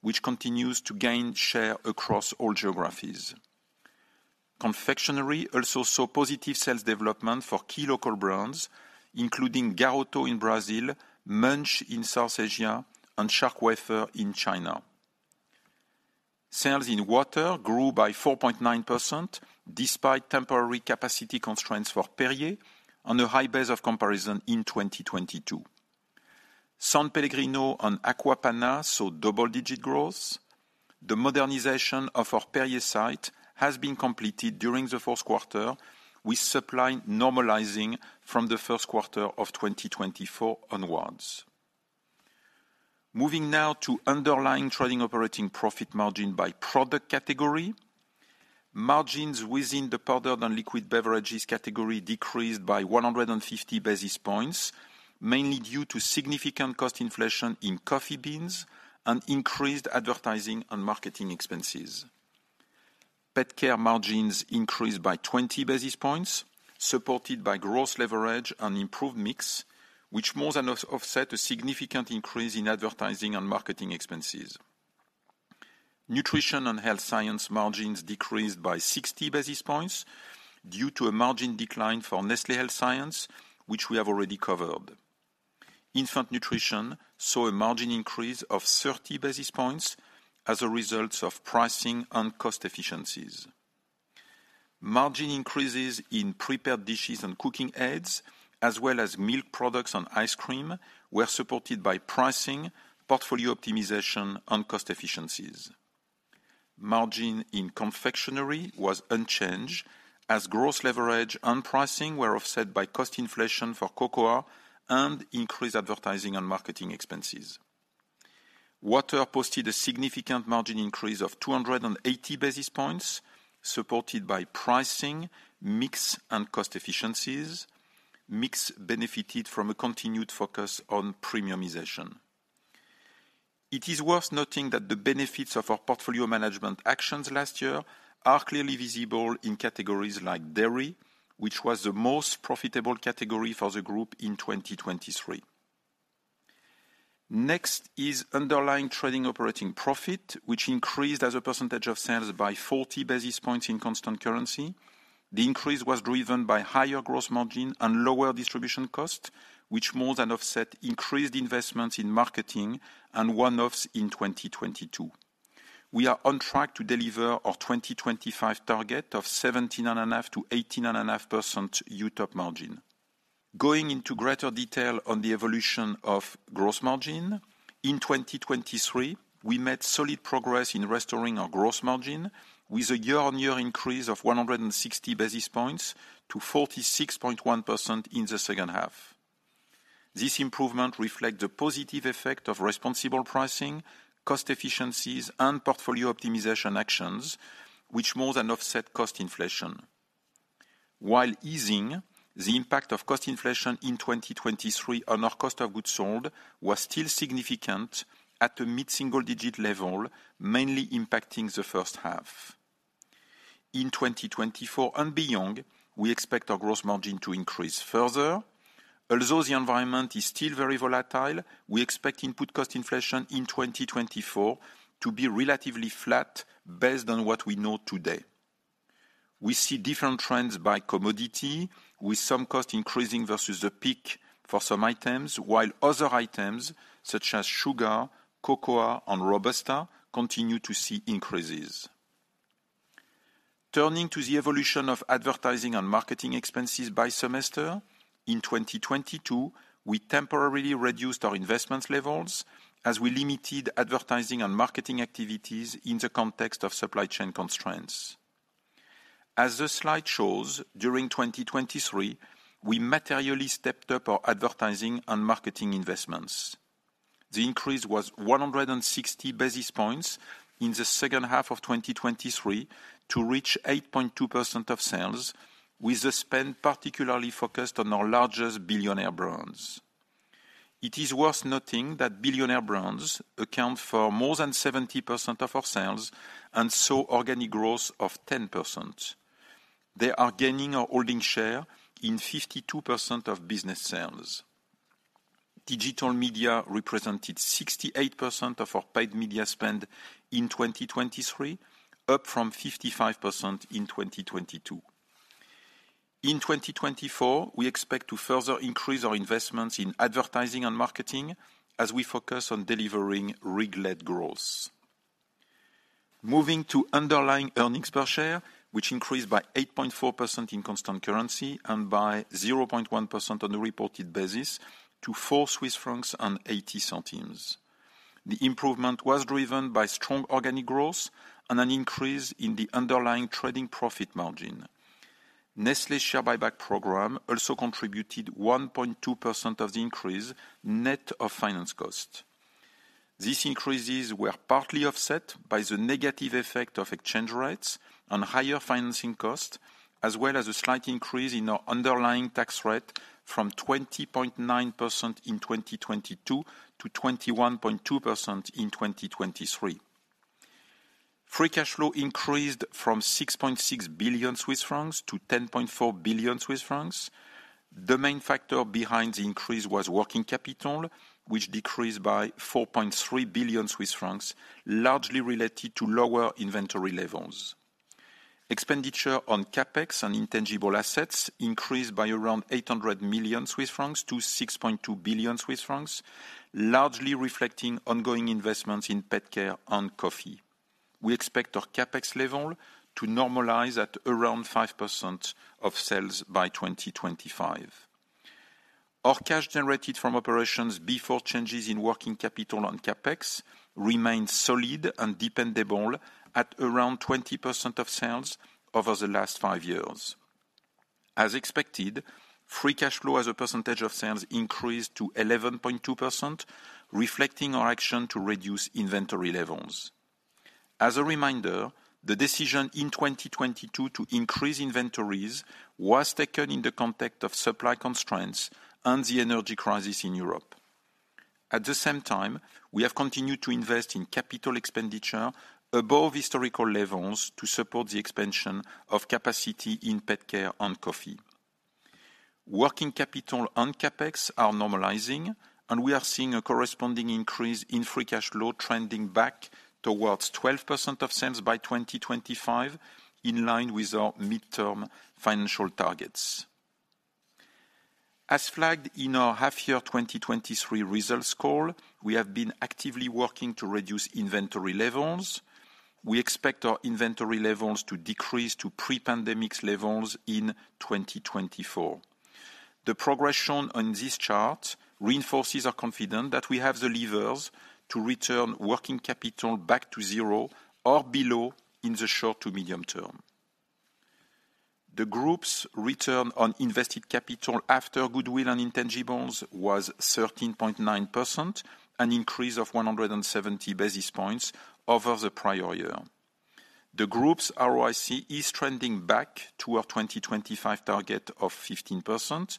which continues to gain share across all geographies. Confectionery also saw positive sales development for key local brands, including Garoto in Brazil, Munch in South Asia, and Shark wafer in China. Sales in water grew by 4.9% despite temporary capacity constraints for Perrier on a high base of comparison in 2022. S.Pellegrino and Acqua Panna saw double-digit growth. The modernization of our Perrier site has been completed during the fourth quarter, with supply normalizing from the first quarter of 2024 onwards. Moving now to underlying trading operating profit margin by product category. Margins within the powdered and liquid beverages category decreased by 150 basis points, mainly due to significant cost inflation in coffee beans and increased advertising and marketing expenses. PetCare margins increased by 20 basis points, supported by gross leverage and improved mix, which more than offset a significant increase in advertising and marketing expenses. Nutrition and health science margins decreased by 60 basis points due to a margin decline for Nestlé Health Science, which we have already covered. Infant nutrition saw a margin increase of 30 basis points as a result of pricing and cost efficiencies. Margin increases in prepared dishes and cooking aids, as well as milk products and ice cream, were supported by pricing, portfolio optimization, and cost efficiencies. Margin in confectionery was unchanged as gross leverage and pricing were offset by cost inflation for cocoa and increased advertising and marketing expenses. Water posted a significant margin increase of 280 basis points, supported by pricing, mix, and cost efficiencies. Mix benefited from a continued focus on premiumization. It is worth noting that the benefits of our portfolio management actions last year are clearly visible in categories like dairy, which was the most profitable category for the group in 2023. Next is underlying trading operating profit, which increased as a percentage of sales by 40 basis points in constant currency. The increase was driven by higher gross margin and lower distribution cost, which more than offset increased investments in marketing and one-offs in 2022. We are on track to deliver our 2025 target of 17.5%-18.5% UTOP margin. Going into greater detail on the evolution of gross margin, in 2023, we made solid progress in restoring our gross margin with a year-on-year increase of 160 basis points to 46.1% in the second half. This improvement reflects the positive effect of responsible pricing, cost efficiencies, and portfolio optimization actions, which more than offset cost inflation. While easing, the impact of cost inflation in 2023 on our cost of goods sold was still significant at a mid-single-digit level, mainly impacting the first half. In 2024 and beyond, we expect our gross margin to increase further. Although the environment is still very volatile, we expect input cost inflation in 2024 to be relatively flat based on what we know today. We see different trends by commodity, with some cost increasing versus the peak for some items, while other items, such as sugar, cocoa, and robusta, continue to see increases. Turning to the evolution of advertising and marketing expenses by semester. In 2022, we temporarily reduced our investment levels as we limited advertising and marketing activities in the context of supply chain constraints. As the slide shows, during 2023, we materially stepped up our advertising and marketing investments. The increase was 160 basis points in the second half of 2023 to reach 8.2% of sales, with the spend particularly focused on Billionaire Brands. it is worth noting Billionaire Brands account for more than 70% of our sales and saw organic growth of 10%. They are gaining market share in 52% of business sales. Digital media represented 68% of our paid media spend in 2023, up from 55% in 2022. In 2024, we expect to further increase our investments in advertising and marketing as we focus on delivering RIG-led growth. Moving to underlying earnings per share, which increased by 8.4% in constant currency and by 0.1% on a reported basis to 4.80 Swiss francs. The improvement was driven by strong organic growth and an increase in the underlying trading profit margin. Nestlé's share buyback program also contributed 1.2% of the increase net of finance costs. These increases were partly offset by the negative effect of exchange rates and higher financing costs, as well as a slight increase in our underlying tax rate from 20.9% in 2022 to 21.2% in 2023. Free cash flow increased from 6.6 billion Swiss francs to 10.4 billion Swiss francs. The main factor behind the increase was working capital, which decreased by 4.3 billion Swiss francs, largely related to lower inventory levels. Expenditure on CapEx and intangible assets increased by around 800 million Swiss francs to 6.2 billion Swiss francs, largely reflecting ongoing investments in PetCare and coffee. We expect our CapEx level to normalize at around 5% of sales by 2025. Our cash generated from operations before changes in working capital and CapEx remained solid and dependable at around 20% of sales over the last five years. As expected, free cash flow as a percentage of sales increased to 11.2%, reflecting our action to reduce inventory levels. As a reminder, the decision in 2022 to increase inventories was taken in the context of supply constraints and the energy crisis in Europe. At the same time, we have continued to invest in capital expenditure above historical levels to support the expansion of capacity in PetCare and coffee. Working capital and CapEx are normalizing, and we are seeing a corresponding increase in free cash flow trending back towards 12% of sales by 2025, in line with our midterm financial targets. As flagged in our half-year 2023 results call, we have been actively working to reduce inventory levels. We expect our inventory levels to decrease to pre-pandemic levels in 2024. The progression on this chart reinforces our confidence that we have the levers to return working capital back to zero or below in the short to medium term. The group's return on invested capital after goodwill and intangibles was 13.9%, an increase of 170 basis points over the prior year. The group's ROIC is trending back to our 2025 target of 15%.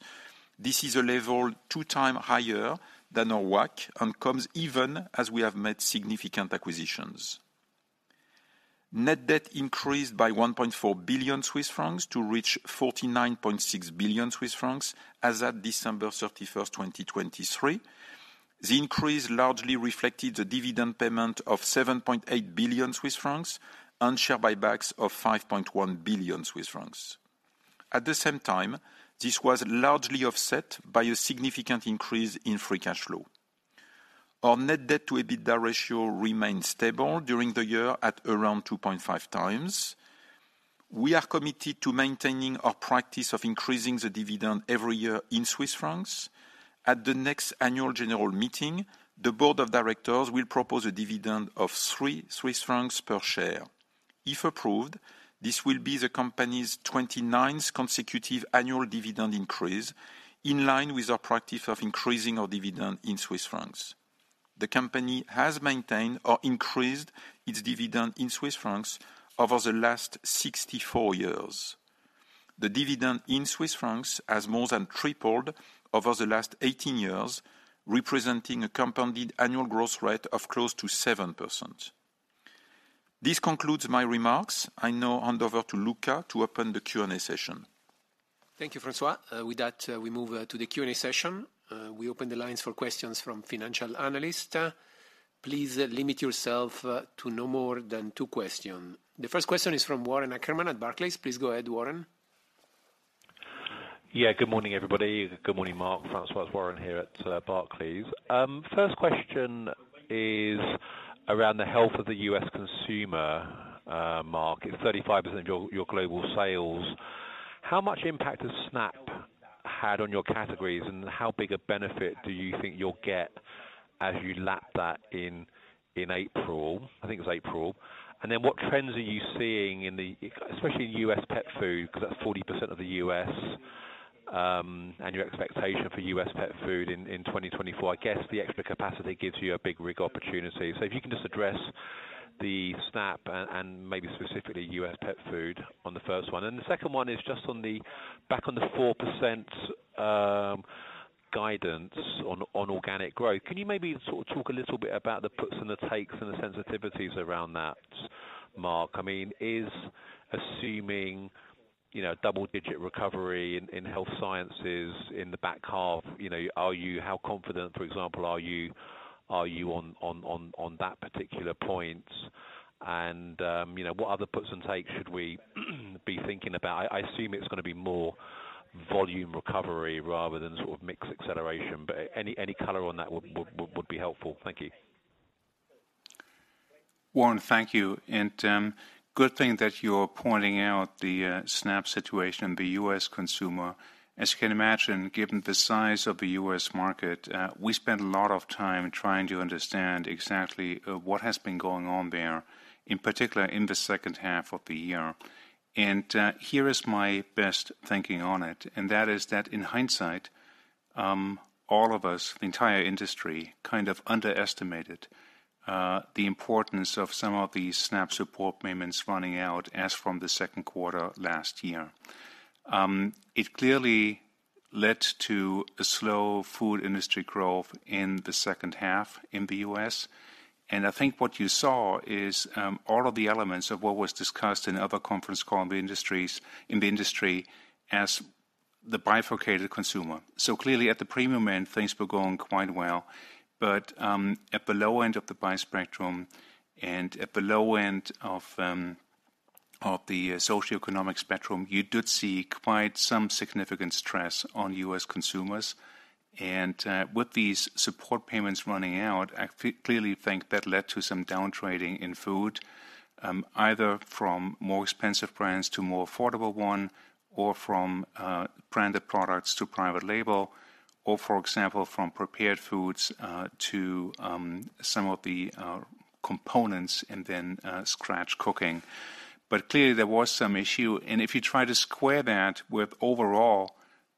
This is a level two times higher than our WACC and comes even as we have made significant acquisitions. Net debt increased by 1.4 billion Swiss francs to reach 49.6 billion Swiss francs as of December 31st, 2023. The increase largely reflected the dividend payment of 7.8 billion Swiss francs and share buybacks of 5.1 billion Swiss francs. At the same time, this was largely offset by a significant increase in free cash flow. Our net debt-to-EBITDA ratio remained stable during the year at around 2.5 times. We are committed to maintaining our practice of increasing the dividend every year in Swiss francs. At the next Annual General Meeting, the Board of Directors will propose a dividend of 3 Swiss francs per share. If approved, this will be the company's 29th consecutive annual dividend increase, in line with our practice of increasing our dividend in Swiss francs. The company has maintained or increased its dividend in Swiss francs over the last 64 years. The dividend in Swiss francs has more than tripled over the last 18 years, representing a compounded annual growth rate of close to 7%. This concludes my remarks. I now hand over to Luca to open the Q&A session. Thank you, François. With that, we move to the Q&A session. We open the lines for questions from financial analysts. Please limit yourself to no more than two questions. The first question is from Warren Ackerman at Barclays. Please go ahead, Warren. Yeah. Good morning, everybody. Good morning, Mark. François, Warren here at Barclays. First question is around the health of the U.S. consumer market. It's 35% of your global sales. How much impact has SNAP had on your categories, and how big a benefit do you think you'll get as you lap that in April? I think it was April. And then what trends are you seeing, especially in U.S. pet food? Because that's 40% of the U.S., and your expectation for U.S. pet food in 2024, I guess the extra capacity gives you a big RIG opportunity. So if you can just address the SNAP and maybe specifically U.S. pet food on the first one. And the second one is just back on the 4% guidance on organic growth. Can you maybe sort of talk a little bit about the puts and the takes and the sensitivities around that, Mark? I mean, is assuming double-digit recovery in health sciences in the back half, how confident, for example, are you on that particular point? And what other puts and takes should we be thinking about? I assume it's going to be more volume recovery rather than sort of mixed acceleration, but any color on that would be helpful. Thank you. Warren, thank you. Good thing that you're pointing out the SNAP situation in the U.S. consumer. As you can imagine, given the size of the U.S. market, we spend a lot of time trying to understand exactly what has been going on there, in particular in the second half of the year. Here is my best thinking on it, and that is that in hindsight, all of us, the entire industry, kind of underestimated the importance of some of these SNAP support payments running out as from the second quarter last year. It clearly led to a slow food industry growth in the second half in the U.S. I think what you saw is all of the elements of what was discussed in other conference calls in the industry as the bifurcated consumer. Clearly, at the premium end, things were going quite well. But at the low end of the buyer spectrum and at the low end of the socioeconomic spectrum, you did see quite some significant stress on U.S. consumers. And with these support payments running out, I clearly think that led to some downtrading in food, either from more expensive brands to more affordable ones, or from branded products to private label, or, for example, from prepared foods to some of the components and then scratch cooking. But clearly, there was some issue. And if you try to square that with overall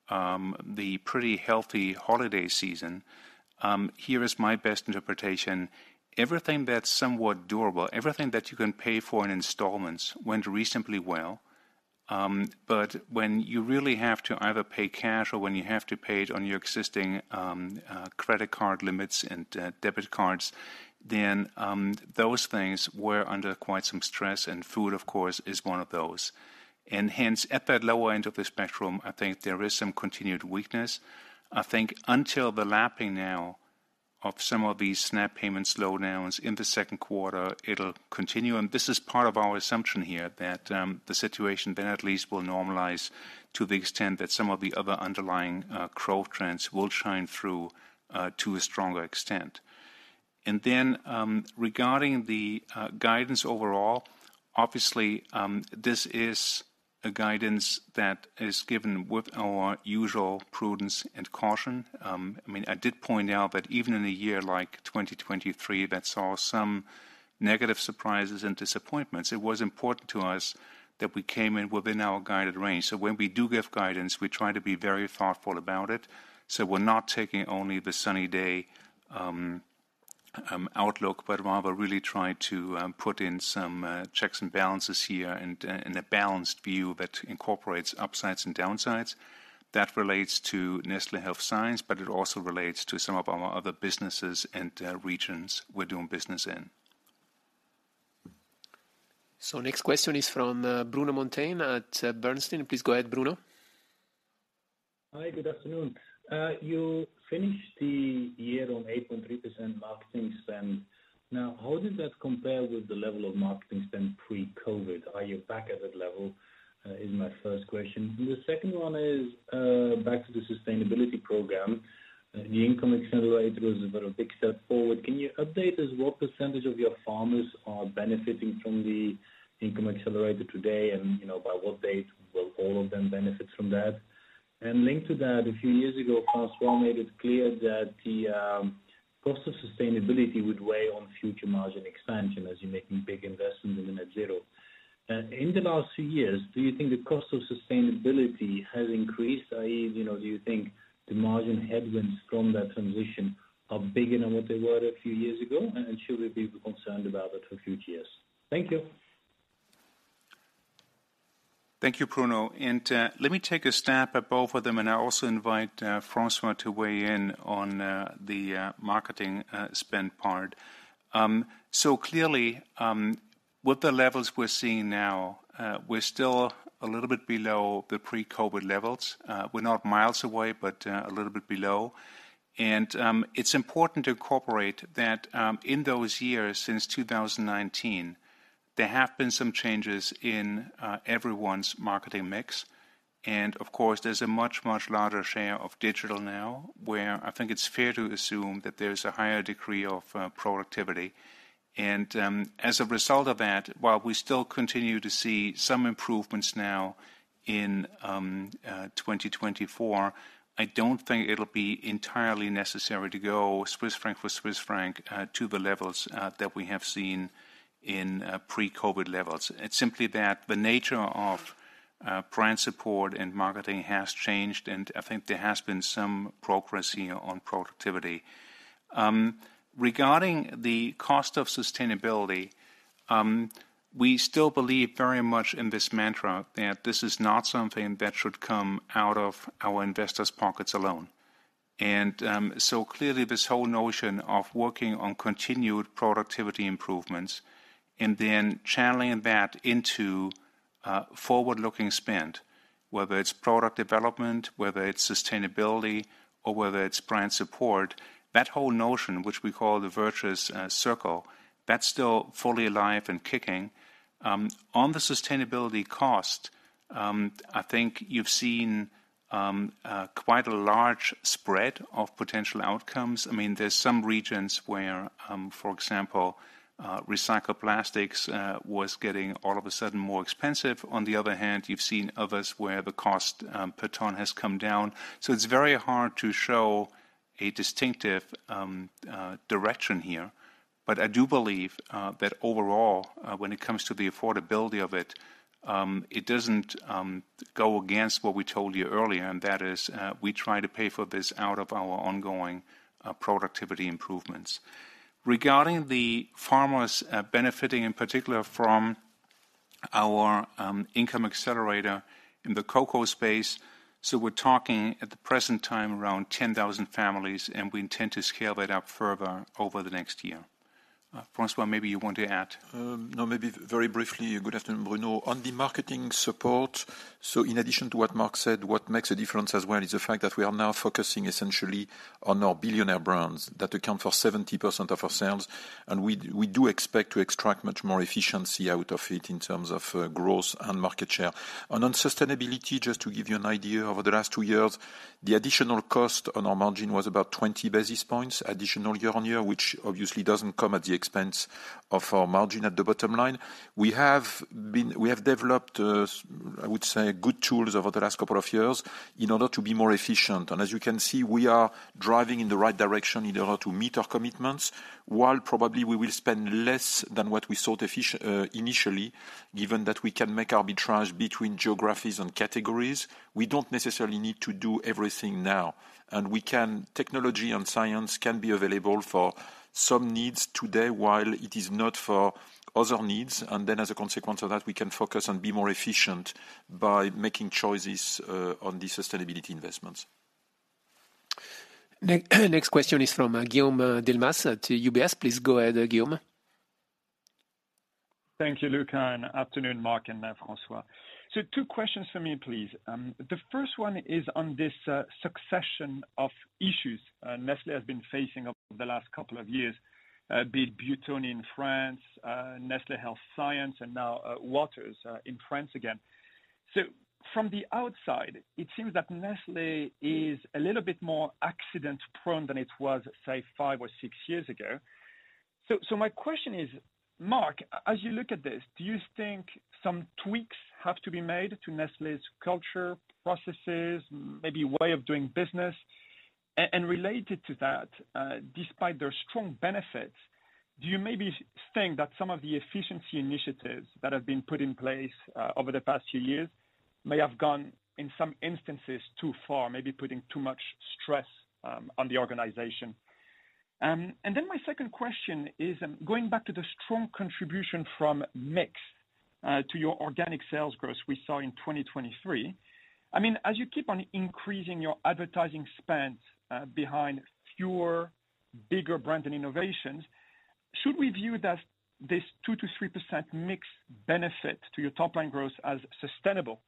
the pretty healthy holiday season, here is my best interpretation. Everything that's somewhat durable, everything that you can pay for in installments went reasonably well. But when you really have to either pay cash or when you have to pay it on your existing credit card limits and debit cards, then those things were under quite some stress. Food, of course, is one of those. Hence, at that lower end of the spectrum, I think there is some continued weakness. I think until the lapping now of some of these SNAP payments slowdowns in the second quarter, it'll continue. This is part of our assumption here, that the situation then at least will normalize to the extent that some of the other underlying growth trends will shine through to a stronger extent. Regarding the guidance overall, obviously, this is a guidance that is given with our usual prudence and caution. I mean, I did point out that even in a year like 2023 that saw some negative surprises and disappointments, it was important to us that we came in within our guided range. When we do give guidance, we try to be very thoughtful about it. We're not taking only the sunny day outlook, but rather really try to put in some checks and balances here and a balanced view that incorporates upsides and downsides that relates to Nestlé Health Science, but it also relates to some of our other businesses and regions we're doing business in. Next question is from Bruno Monteyne at Bernstein. Please go ahead, Bruno. Hi. Good afternoon. You finished the year on 8.3% marketing spend. Now, how did that compare with the level of marketing spend pre-COVID? Are you back at that level? Is my first question. And the second one is back to the sustainability program. The Income Accelerator was a very big step forward. Can you update us what percentage of your farmers are benefiting from the Income Accelerator today, and by what date will all of them benefit from that? And linked to that, a few years ago, François made it clear that the cost of sustainability would weigh on future margin expansion as you're making big investments in net zero. In the last few years, do you think the cost of sustainability has increased? I mean, do you think the margin headwinds from that transition are bigger than what they were a few years ago? Should we be concerned about it for future years? Thank you. Thank you, Bruno. And let me take a stab at both of them, and I'll also invite François to weigh in on the marketing spend part. So clearly, with the levels we're seeing now, we're still a little bit below the pre-COVID levels. We're not miles away, but a little bit below. And it's important to incorporate that in those years since 2019, there have been some changes in everyone's marketing mix. And of course, there's a much, much larger share of digital now, where I think it's fair to assume that there's a higher degree of productivity. And as a result of that, while we still continue to see some improvements now in 2024, I don't think it'll be entirely necessary to go Swiss franc for Swiss franc to the levels that we have seen in pre-COVID levels. It's simply that the nature of brand support and marketing has changed, and I think there has been some progress here on productivity. Regarding the cost of sustainability, we still believe very much in this mantra that this is not something that should come out of our investors' pockets alone. And so clearly, this whole notion of working on continued productivity improvements and then channeling that into forward-looking spend, whether it's product development, whether it's sustainability, or whether it's brand support, that whole notion, which we call the virtuous circle, that's still fully alive and kicking. On the sustainability cost, I think you've seen quite a large spread of potential outcomes. I mean, there's some regions where, for example, recycled plastics was getting all of a sudden more expensive. On the other hand, you've seen others where the cost per ton has come down. So it's very hard to show a distinctive direction here. But I do believe that overall, when it comes to the affordability of it, it doesn't go against what we told you earlier, and that is we try to pay for this out of our ongoing productivity improvements. Regarding the farmers benefiting in particular from our Income Accelerator in the cocoa space, so we're talking at the present time around 10,000 families, and we intend to scale that up further over the next year. François, maybe you want to add. No, maybe very briefly. Good afternoon, Bruno. On the marketing support, so in addition to what Mark said, what makes a difference as well is the fact that we are now focusing essentially on Billionaire Brands that account for 70% of our sales. We do expect to extract much more efficiency out of it in terms of growth and market share. On sustainability, just to give you an idea, over the last two years, the additional cost on our margin was about 20 basis points additional year-on-year, which obviously doesn't come at the expense of our margin at the bottom line. We have developed, I would say, good tools over the last couple of years in order to be more efficient. As you can see, we are driving in the right direction in order to meet our commitments, while probably we will spend less than what we thought initially, given that we can make arbitrage between geographies and categories. We don't necessarily need to do everything now. Technology and science can be available for some needs today while it is not for other needs. Then as a consequence of that, we can focus and be more efficient by making choices on these sustainability investments. Next question is from Guillaume Delmas at UBS. Please go ahead, Guillaume. Thank you, Luca. Good afternoon, Mark and François. So two questions for me, please. The first one is on this succession of issues Nestlé has been facing over the last couple of years, be it Buitoni in France, Nestlé Health Science, and now Waters in France again. So from the outside, it seems that Nestlé is a little bit more accident-prone than it was, say, five or six years ago. So my question is, Mark, as you look at this, do you think some tweaks have to be made to Nestlé's culture, processes, maybe way of doing business? And related to that, despite their strong benefits, do you maybe think that some of the efficiency initiatives that have been put in place over the past few years may have gone, in some instances, too far, maybe putting too much stress on the organization? And then my second question is going back to the strong contribution from mix to your organic sales growth we saw in 2023. I mean, as you keep on increasing your advertising spend behind fewer, bigger brands and innovations, should we view that this 2%-3% mix benefit to your top-line growth as sustainable?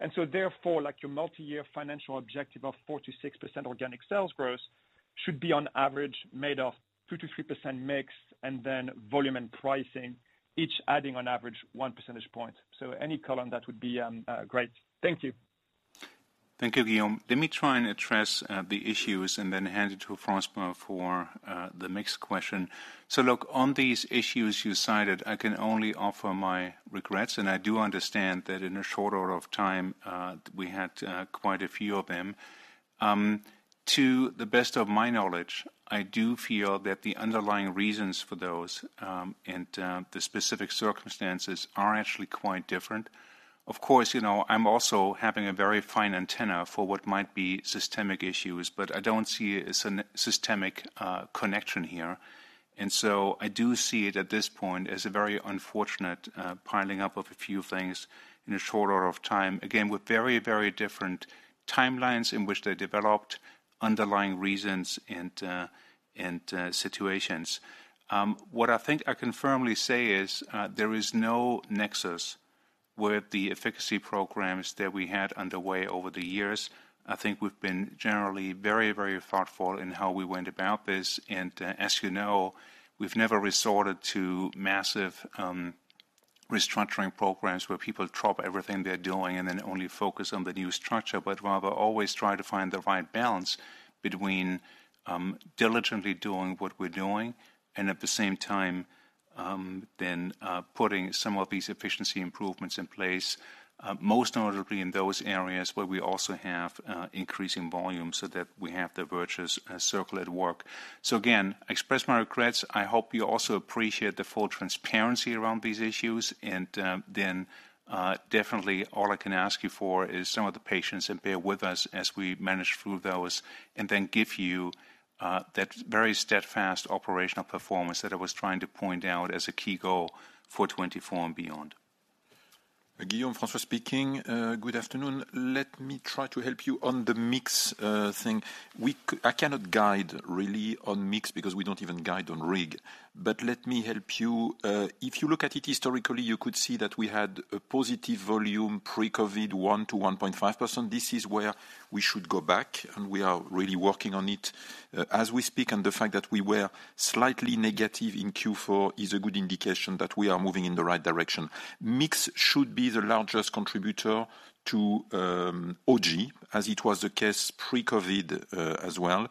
And so therefore, your multi-year financial objective of 4%-6% organic sales growth should be, on average, made of 2%-3% mix and then volume and pricing, each adding, on average, one percentage point. So any comment that would be great. Thank you. Thank you, Guillaume. Let me try and address the issues and then hand it to François for the mix question. So look, on these issues you cited, I can only offer my regrets. And I do understand that in a short order of time, we had quite a few of them. To the best of my knowledge, I do feel that the underlying reasons for those and the specific circumstances are actually quite different. Of course, I'm also having a very fine antenna for what might be systemic issues, but I don't see a systemic connection here. And so I do see it at this point as a very unfortunate piling up of a few things in a short order of time, again, with very, very different timelines in which they developed underlying reasons and situations. What I think I can firmly say is there is no nexus with the efficiency programs that we had underway over the years. I think we've been generally very, very thoughtful in how we went about this. As you know, we've never resorted to massive restructuring programs where people drop everything they're doing and then only focus on the new structure, but rather always try to find the right balance between diligently doing what we're doing and at the same time then putting some of these efficiency improvements in place, most notably in those areas where we also have increasing volume so that we have the virtuous circle at work. Again, I express my regrets. I hope you also appreciate the full transparency around these issues. And then definitely, all I can ask you for is some of the patience and bear with us as we manage through those and then give you that very steadfast operational performance that I was trying to point out as a key goal for 2024 and beyond. Guillaume, François speaking. Good afternoon. Let me try to help you on the mix thing. I cannot guide, really, on mix because we don't even guide on RIG. But let me help you. If you look at it historically, you could see that we had a positive volume pre-COVID, 1%-1.5%. This is where we should go back, and we are really working on it as we speak. And the fact that we were slightly negative in Q4 is a good indication that we are moving in the right direction. Mix should be the largest contributor to OG, as it was the case pre-COVID as well.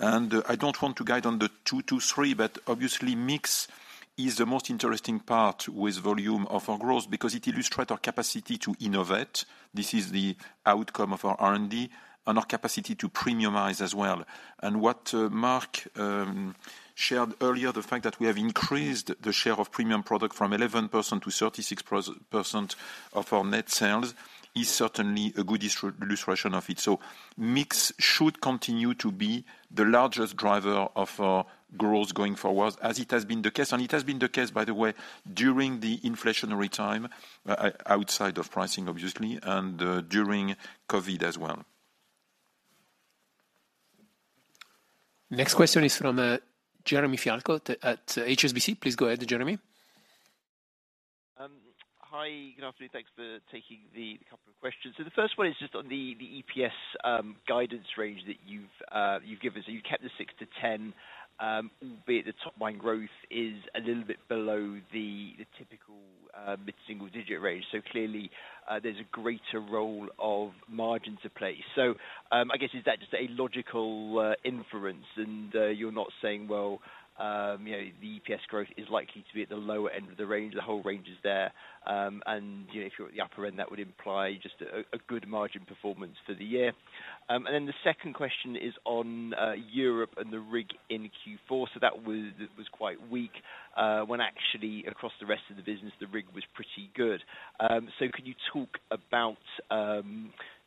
And I don't want to guide on the 2%-3%, but obviously, mix is the most interesting part with volume of our growth because it illustrates our capacity to innovate. This is the outcome of our R&D and our capacity to premiumize as well. What Mark shared earlier, the fact that we have increased the share of premium product from 11%-36% of our net sales, is certainly a good illustration of it. Mix should continue to be the largest driver of our growth going forward, as it has been the case. It has been the case, by the way, during the inflationary time outside of pricing, obviously, and during COVID as well. Next question is from Jeremy Fialko at HSBC. Please go ahead, Jeremy. Hi. Good afternoon. Thanks for taking the couple of questions. So the first one is just on the EPS guidance range that you've given. So you've kept the 6%-10%, albeit the top-line growth is a little bit below the typical mid-single-digit range. So clearly, there's a greater role of margin to play. So I guess is that just a logical inference? And you're not saying, "Well, the EPS growth is likely to be at the lower end of the range. The whole range is there." And if you're at the upper end, that would imply just a good margin performance for the year. And then the second question is on Europe and the RIG in Q4. So that was quite weak when, actually, across the rest of the business, the RIG was pretty good. So can you talk about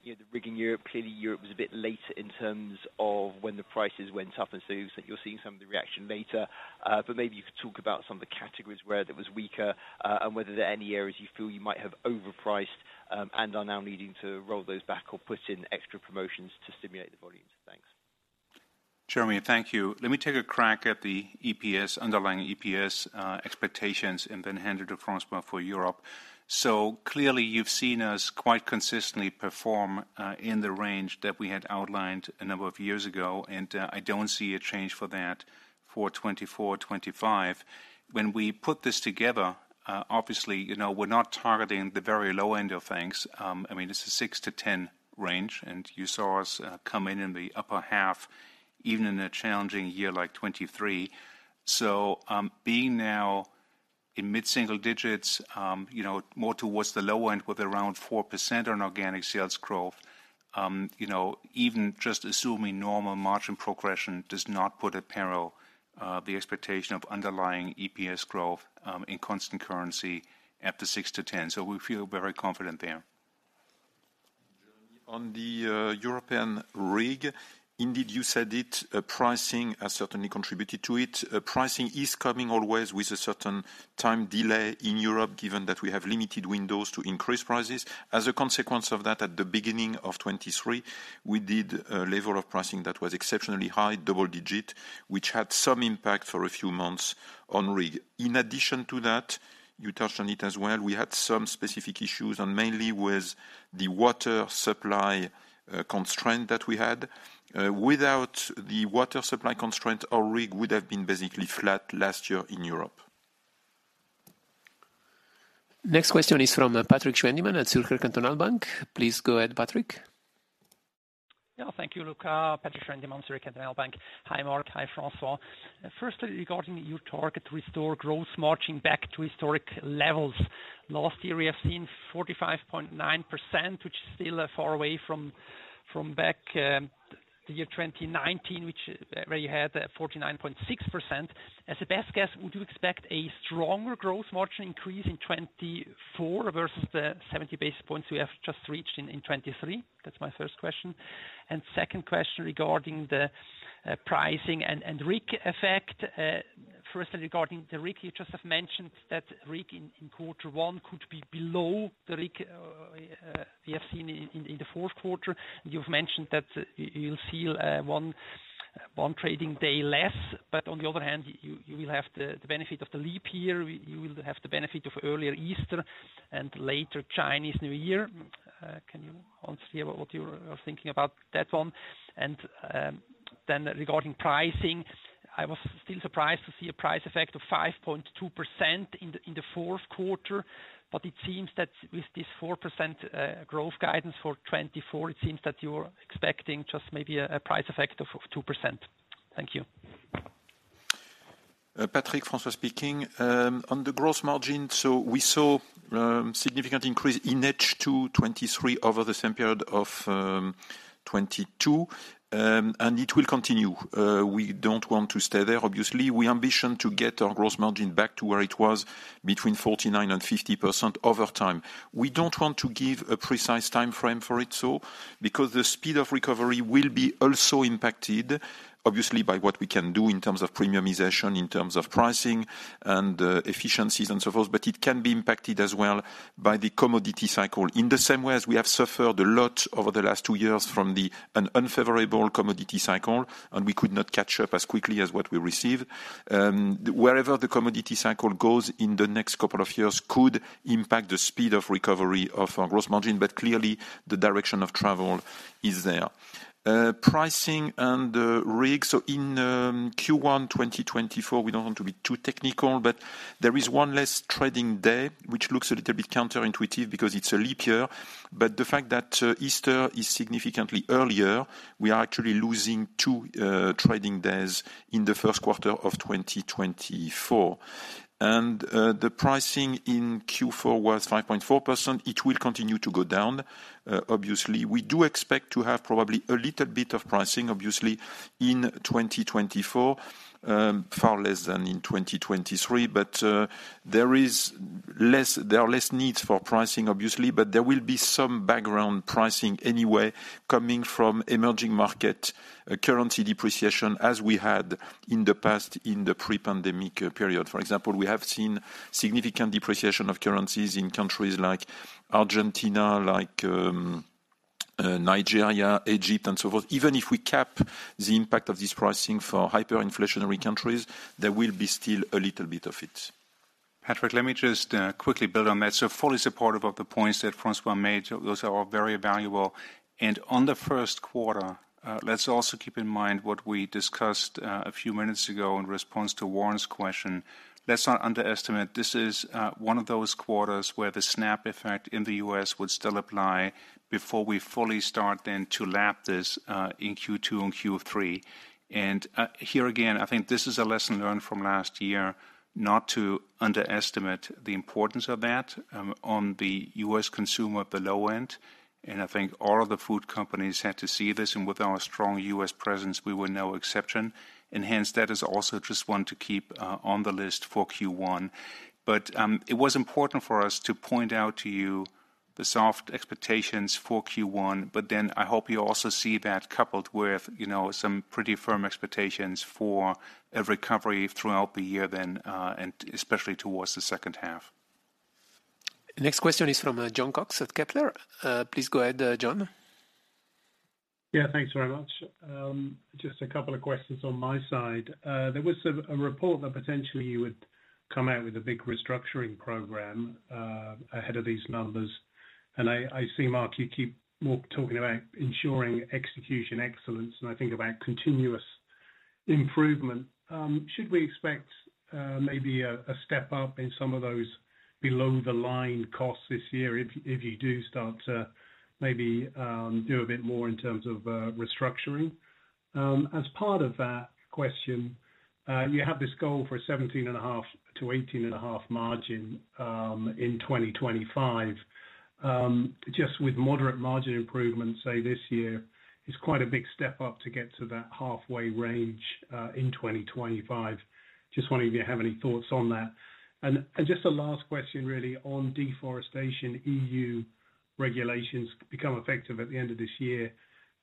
the RIG in Europe? Clearly, Europe was a bit later in terms of when the prices went up. And so you're seeing some of the reaction later. But maybe you could talk about some of the categories where that was weaker and whether there are any areas you feel you might have overpriced and are now needing to roll those back or put in extra promotions to stimulate the volumes. Thanks. Jeremy, thank you. Let me take a crack at the underlying EPS expectations and then hand it to François for Europe. So clearly, you've seen us quite consistently perform in the range that we had outlined a number of years ago. And I don't see a change for that for 2024, 2025. When we put this together, obviously, we're not targeting the very low end of things. I mean, it's a 6%-10% range. And you saw us come in in the upper half, even in a challenging year like 2023. So being now in mid-single digits, more towards the low end with around 4% on organic sales growth, even just assuming normal margin progression does not put at peril the expectation of underlying EPS growth in constant currency at the 6%-10%. So we feel very confident there. Jeremy, on the European RIG, indeed, you said it. Pricing has certainly contributed to it. Pricing is coming always with a certain time delay in Europe, given that we have limited windows to increase prices. As a consequence of that, at the beginning of 2023, we did a level of pricing that was exceptionally high, double-digit, which had some impact for a few months on RIG. In addition to that, you touched on it as well, we had some specific issues, and mainly with the water supply constraint that we had. Without the water supply constraint, our RIG would have been basically flat last year in Europe. Next question is from Patrick Schwendimann at Zürcher Kantonalbank. Please go ahead, Patrick. Yeah, thank you, Luca. Patrick Schwendimann, Zürcher Kantonalbank. Hi, Mark. Hi, François. Firstly, regarding your target to restore gross margin back to historic levels, last year, we have seen 45.9%, which is still far away from back to year 2019, where you had 49.6%. As a best guess, would you expect a stronger gross margin increase in 2024 versus the 70 basis points we have just reached in 2023? That's my first question. And second question regarding the pricing and RIG effect. Firstly, regarding the RIG, you just have mentioned that RIG in quarter one could be below the RIG we have seen in the fourth quarter. You've mentioned that you'll see one trading day less. But on the other hand, you will have the benefit of the leap year. You will have the benefit of earlier Easter and later Chinese New Year. Can you answer here what you are thinking about that one? And then regarding pricing, I was still surprised to see a price effect of 5.2% in the fourth quarter. But it seems that with this 4% growth guidance for 2024, it seems that you're expecting just maybe a price effect of 2%. Thank you. Patrick, François speaking. On the gross margin, so we saw a significant increase in gross to 2023 over the same period of 2022. And it will continue. We don't want to stay there, obviously. We ambition to get our gross margin back to where it was between 49%-50% over time. We don't want to give a precise time frame for it so because the speed of recovery will be also impacted, obviously, by what we can do in terms of premiumization, in terms of pricing, and efficiencies, and so forth. But it can be impacted as well by the commodity cycle in the same way as we have suffered a lot over the last two years from an unfavorable commodity cycle. And we could not catch up as quickly as what we received. Wherever the commodity cycle goes in the next couple of years could impact the speed of recovery of our gross margin. But clearly, the direction of travel is there. Pricing and RIG, so in Q1, 2024, we don't want to be too technical, but there is one less trading day, which looks a little bit counterintuitive because it's a leap year. But the fact that Easter is significantly earlier, we are actually losing two trading days in the first quarter of 2024. And the pricing in Q4 was 5.4%. It will continue to go down, obviously. We do expect to have probably a little bit of pricing, obviously, in 2024, far less than in 2023. But there are less needs for pricing, obviously. But there will be some background pricing anyway coming from emerging market currency depreciation as we had in the past in the pre-pandemic period. For example, we have seen significant depreciation of currencies in countries like Argentina, like Nigeria, Egypt, and so forth. Even if we cap the impact of this pricing for hyperinflationary countries, there will be still a little bit of it. Patrick, let me just quickly build on that. So fully supportive of the points that François made. Those are all very valuable. And on the first quarter, let's also keep in mind what we discussed a few minutes ago in response to Warren's question. Let's not underestimate. This is one of those quarters where the SNAP effect in the U.S. would still apply before we fully start then to lap this in Q2 and Q3. And here again, I think this is a lesson learned from last year, not to underestimate the importance of that on the U.S. consumer at the low end. And I think all of the food companies had to see this. And with our strong U.S. presence, we were no exception. And hence, that is also just one to keep on the list for Q1. But it was important for us to point out to you the soft expectations for Q1. But then I hope you also see that coupled with some pretty firm expectations for a recovery throughout the year then, and especially towards the second half. Next question is from Jon Cox at Kepler. Please go ahead, Jon. Yeah, thanks very much. Just a couple of questions on my side. There was a report that potentially you would come out with a big restructuring program ahead of these numbers. I see, Mark, you keep talking about ensuring execution excellence. I think about continuous improvement. Should we expect maybe a step up in some of those below-the-line costs this year if you do start to maybe do a bit more in terms of restructuring? As part of that question, you have this goal for a 17.5%-18.5% margin in 2025. Just with moderate margin improvements, say, this year, it's quite a big step up to get to that halfway range in 2025. Just wondering if you have any thoughts on that. Just a last question, really, on deforestation. EU regulations become effective at the end of this year.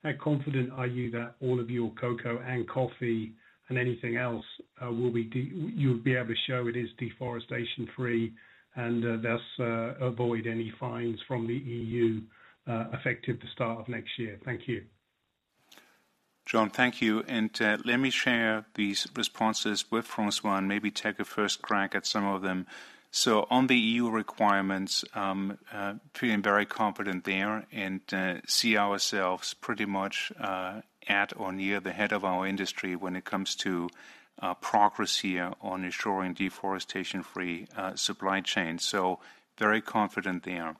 How confident are you that all of your cocoa and coffee and anything else will be you'll be able to show it is deforestation-free and thus avoid any fines from the EU effective the start of next year? Thank you. John, thank you. Let me share these responses with François. Maybe take a first crack at some of them. So on the EU requirements, feeling very confident there and see ourselves pretty much at or near the head of our industry when it comes to progress here on ensuring deforestation-free supply chains. So very confident there.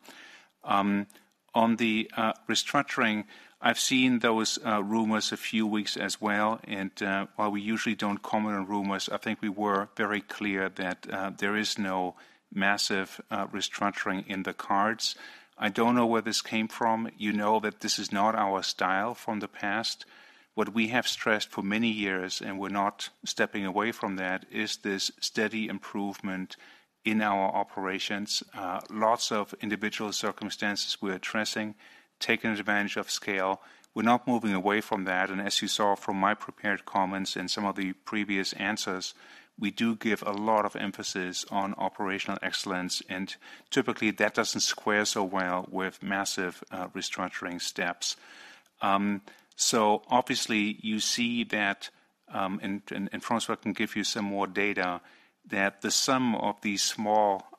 On the restructuring, I've seen those rumors a few weeks as well. And while we usually don't comment on rumors, I think we were very clear that there is no massive restructuring in the cards. I don't know where this came from. You know that this is not our style from the past. What we have stressed for many years, and we're not stepping away from that, is this steady improvement in our operations. Lots of individual circumstances we're addressing, taking advantage of scale. We're not moving away from that. As you saw from my prepared comments and some of the previous answers, we do give a lot of emphasis on operational excellence. Typically, that doesn't square so well with massive restructuring steps. Obviously, you see that, and François can give you some more data, that the sum of these small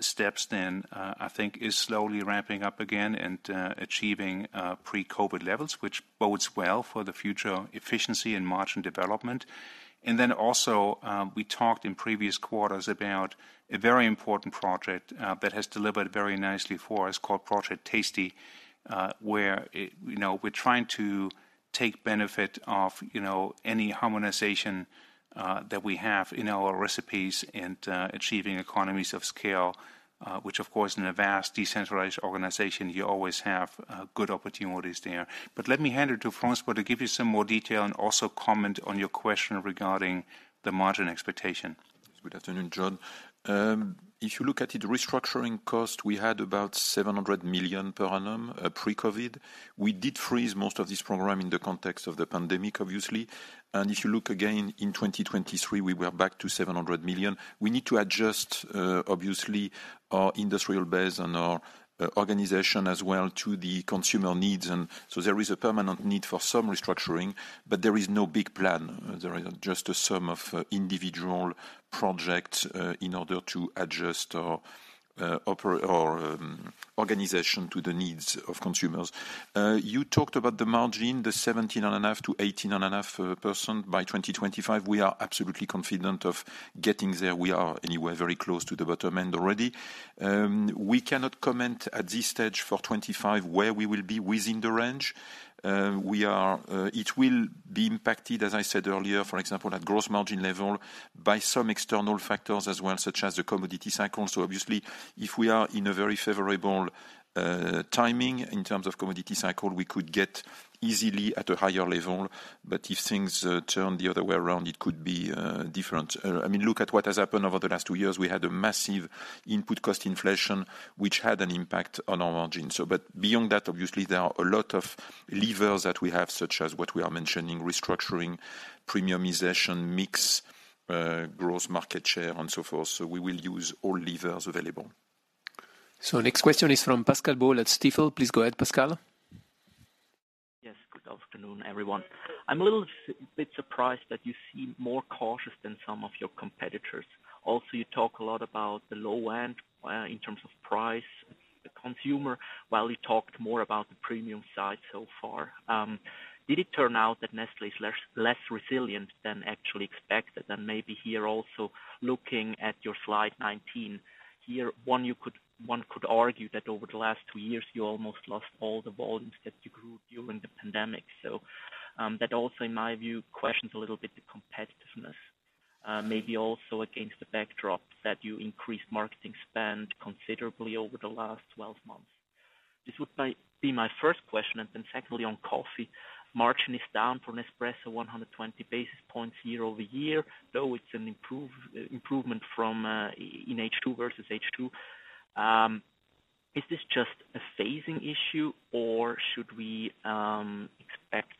steps then, I think, is slowly ramping up again and achieving pre-COVID levels, which bodes well for the future efficiency and margin development. Then also, we talked in previous quarters about a very important project that has delivered very nicely for us called Project Tasty, where we're trying to take benefit of any harmonization that we have in our recipes and achieving economies of scale, which, of course, in a vast decentralized organization, you always have good opportunities there. Let me hand it to François to give you some more detail and also comment on your question regarding the margin expectation. Good afternoon, John. If you look at it, restructuring cost, we had about 700 million per annum pre-COVID. We did freeze most of this program in the context of the pandemic, obviously. If you look again in 2023, we were back to 700 million. We need to adjust, obviously, our industrial base and our organization as well to the consumer needs. So there is a permanent need for some restructuring. There is no big plan. There is just a sum of individual projects in order to adjust our organization to the needs of consumers. You talked about the margin, the 17.5%-18.5% by 2025. We are absolutely confident of getting there. We are anyway very close to the bottom end already. We cannot comment at this stage for 2025 where we will be within the range. It will be impacted, as I said earlier, for example, at gross margin level by some external factors as well, such as the commodity cycle. So obviously, if we are in a very favorable timing in terms of commodity cycle, we could get easily at a higher level. But if things turn the other way around, it could be different. I mean, look at what has happened over the last two years. We had a massive input cost inflation, which had an impact on our margin. But beyond that, obviously, there are a lot of levers that we have, such as what we are mentioning, restructuring, premiumization, mix, growth, market share, and so forth. So we will use all levers available. So next question is from Pascal Boll at Stifel. Please go ahead, Pascal. Yes, good afternoon, everyone. I'm a little bit surprised that you seem more cautious than some of your competitors. Also, you talk a lot about the low end in terms of price, the consumer, while you talked more about the premium side so far. Did it turn out that Nestlé is less resilient than actually expected? And maybe here also, looking at your slide 19, here, one could argue that over the last two years, you almost lost all the volumes that you grew during the pandemic. So that also, in my view, questions a little bit the competitiveness, maybe also against the backdrop that you increased marketing spend considerably over the last 12 months. This would be my first question. And then secondly, on coffee, margin is down for Nespresso 120 basis points year-over-year, though it's an improvement in H2 versus H2. Is this just a phasing issue, or should we expect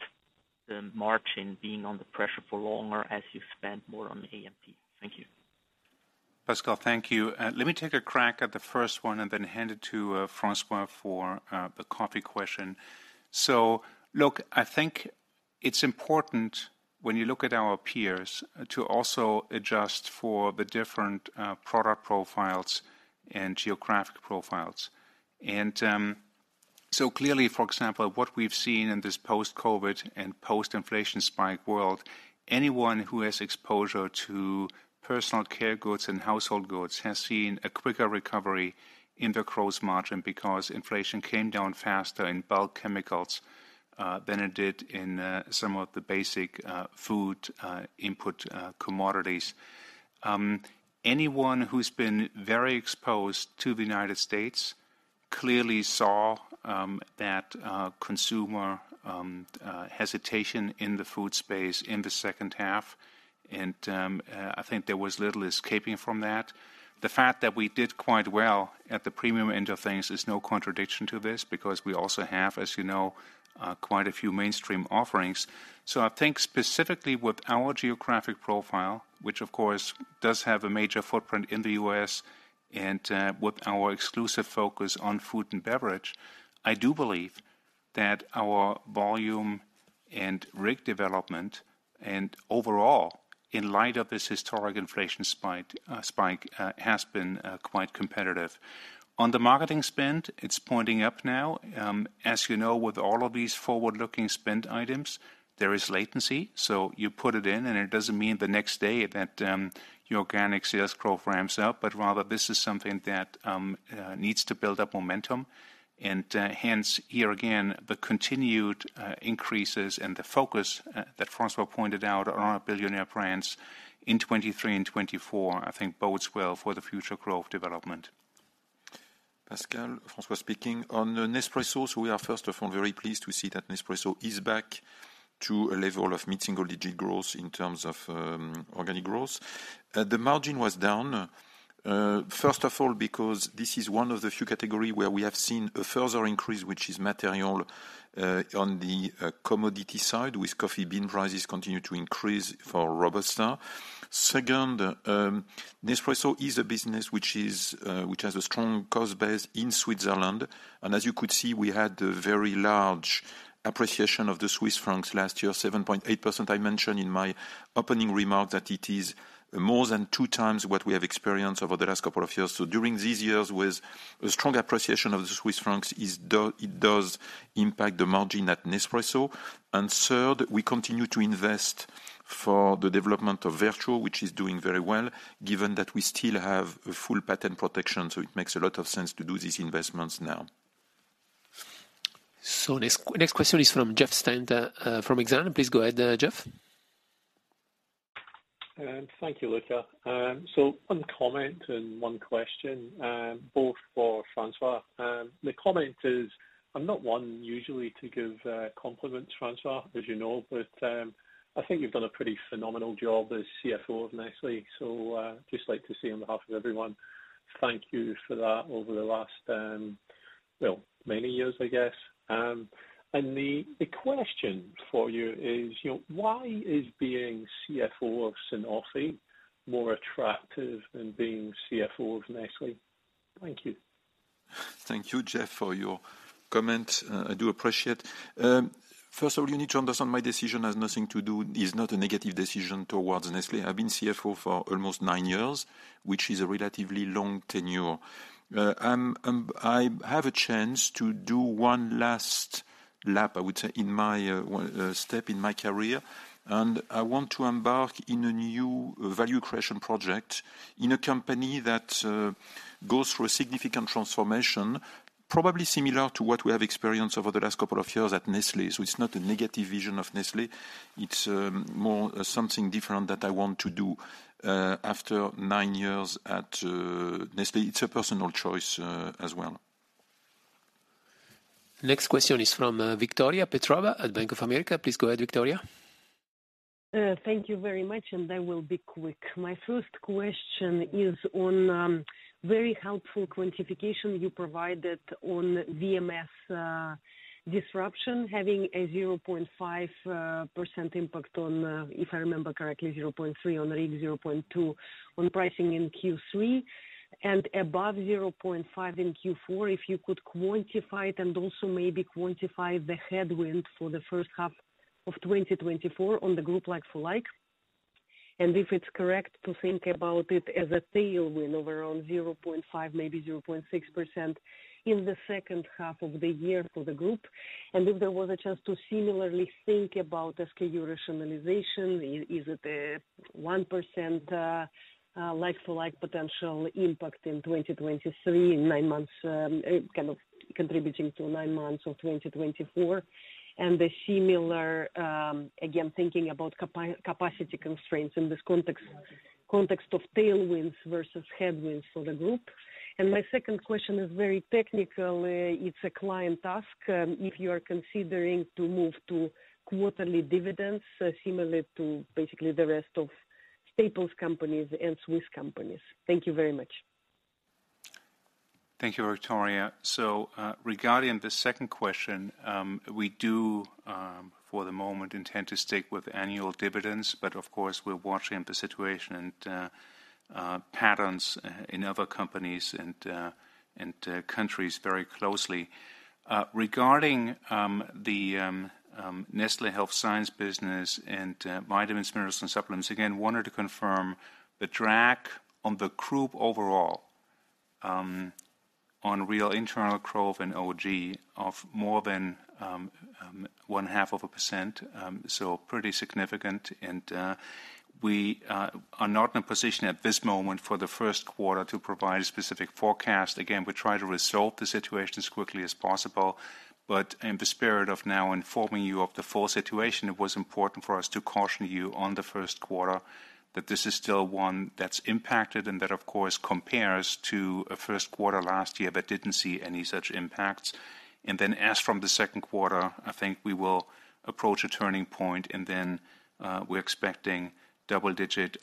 the margin being under pressure for longer as you spend more on A&M? Thank you. Pascal, thank you. Let me take a crack at the first one and then hand it to François for the coffee question. So look, I think it's important, when you look at our peers, to also adjust for the different product profiles and geographic profiles. And so clearly, for example, what we've seen in this post-COVID and post-inflation spike world, anyone who has exposure to personal care goods and household goods has seen a quicker recovery in their gross margin because inflation came down faster in bulk chemicals than it did in some of the basic food input commodities. Anyone who's been very exposed to the United States clearly saw that consumer hesitation in the food space in the second half. And I think there was little escaping from that. The fact that we did quite well at the premium end of things is no contradiction to this because we also have, as you know, quite a few mainstream offerings. So I think specifically with our geographic profile, which, of course, does have a major footprint in the U.S. and with our exclusive focus on food and beverage, I do believe that our volume and RIG development and overall, in light of this historic inflation spike, has been quite competitive. On the marketing spend, it's pointing up now. As you know, with all of these forward-looking spend items, there is latency. So you put it in, and it doesn't mean the next day that your organic sales growth ramps up. But rather, this is something that needs to build up momentum. And hence, here again, the continued increases and the focus that François pointed out Billionaire Brands in 2023 and 2024, I think, bodes well for the future growth development. Pascal, François speaking. On Nespresso, so we are first of all very pleased to see that Nespresso is back to a level of mid-single-digit growth in terms of organic growth. The margin was down, first of all, because this is one of the few categories where we have seen a further increase, which is material, on the commodity side, with coffee bean prices continuing to increase for robusta. Second, Nespresso is a business which has a strong cost base in Switzerland. As you could see, we had a very large appreciation of the Swiss francs last year, 7.8%. I mentioned in my opening remarks that it is more than two times what we have experienced over the last couple of years. So during these years with a strong appreciation of the Swiss francs, it does impact the margin at Nespresso. And third, we continue to invest for the development of Vertuo, which is doing very well, given that we still have full patent protection. So it makes a lot of sense to do these investments now. Next question is from Jeff Stent from Exane. Please go ahead, Jeff. Thank you, Luca. So one comment and one question, both for François. The comment is, I'm not one usually to give compliments, François, as you know. But I think you've done a pretty phenomenal job as CFO of Nestlé. So I'd just like to say on behalf of everyone, thank you for that over the last, well, many years, I guess. And the question for you is, why is being CFO of Sanofi more attractive than being CFO of Nestlé? Thank you. Thank you, Jeff, for your comment. I do appreciate it. First of all, you need to understand my decision has nothing to do. Is not a negative decision towards Nestlé. I've been CFO for almost nine years, which is a relatively long tenure. I have a chance to do one last lap, I would say, in my step in my career. And I want to embark in a new value creation project in a company that goes through a significant transformation, probably similar to what we have experienced over the last couple of years at Nestlé. So it's not a negative vision of Nestlé. It's more something different that I want to do after nine years at Nestlé. It's a personal choice as well. Next question is from Victoria Petrova at Bank of America. Please go ahead, Victoria. Thank you very much. I will be quick. My first question is on very helpful quantification you provided on VMS disruption, having a 0.5% impact on, if I remember correctly, 0.3% on RIG, 0.2% on pricing in Q3, and above 0.5% in Q4, if you could quantify it and also maybe quantify the headwind for the first half of 2024 on the group like-for-like. If it's correct to think about it as a tailwind of around 0.5%, maybe 0.6%, in the second half of the year for the group. If there was a chance to similarly think about SKU rationalization, is it a 1% like-for-like potential impact in 2023, kind of contributing to nine months of 2024, and the similar, again, thinking about capacity constraints in this context of tailwinds versus headwinds for the group? My second question is very technical. It's a client ask. If you are considering to move to quarterly dividends, similarly to basically the rest of staples companies and Swiss companies. Thank you very much. Thank you, Victoria. So regarding the second question, we do, for the moment, intend to stick with annual dividends. But of course, we're watching the situation and patterns in other companies and countries very closely. Regarding the Nestlé Health Science business and vitamins, minerals, and supplements, again, wanted to confirm the drag on the group overall on real internal growth and OG of more than 0.5%, so pretty significant. And we are not in a position at this moment for the first quarter to provide a specific forecast. Again, we try to resolve the situations quickly as possible. But in the spirit of now informing you of the full situation, it was important for us to caution you on the first quarter that this is still one that's impacted and that, of course, compares to a first quarter last year that didn't see any such impacts. Then as from the second quarter, I think we will approach a turning point. Then we're expecting double-digit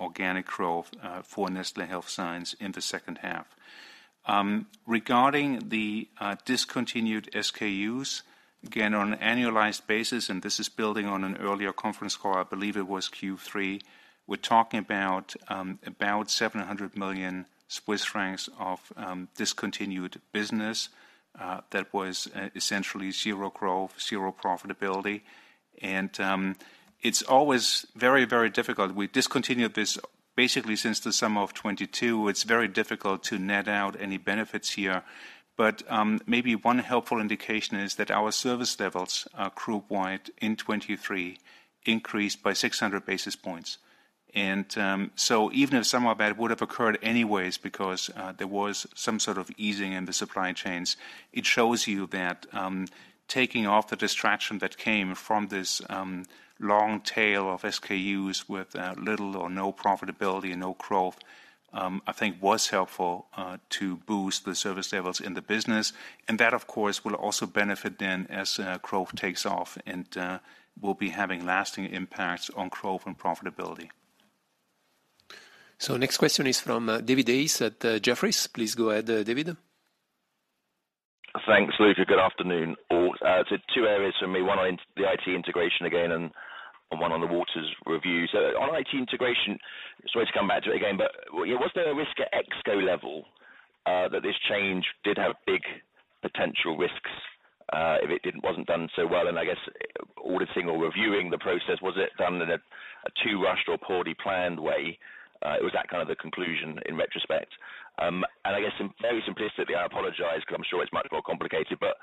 organic growth for Nestlé Health Science in the second half. Regarding the discontinued SKUs, again, on an annualized basis, and this is building on an earlier conference call, I believe it was Q3, we're talking about about 700 million Swiss francs of discontinued business. That was essentially zero growth, zero profitability. It's always very, very difficult. We discontinued this basically since the summer of 2022. It's very difficult to net out any benefits here. But maybe one helpful indication is that our service levels group-wide in 2023 increased by 600 basis points. And so even if some of that would have occurred anyways because there was some sort of easing in the supply chains, it shows you that taking off the distraction that came from this long tail of SKUs with little or no profitability and no growth, I think, was helpful to boost the service levels in the business. And that, of course, will also benefit then as growth takes off and will be having lasting impacts on growth and profitability. Next question is from David Hayes at Jefferies. Please go ahead, David. Thanks, Luca. Good afternoon. So two areas for me. One on the IT integration again and one on the Waters review. So on IT integration, it's a way to come back to it again. But was there a risk at ExCo level that this change did have big potential risks if it wasn't done so well? And I guess auditing or reviewing the process, was it done in a too rushed or poorly planned way? It was that kind of the conclusion in retrospect. And I guess, very simplistically, I apologize because I'm sure it's much more complicated. But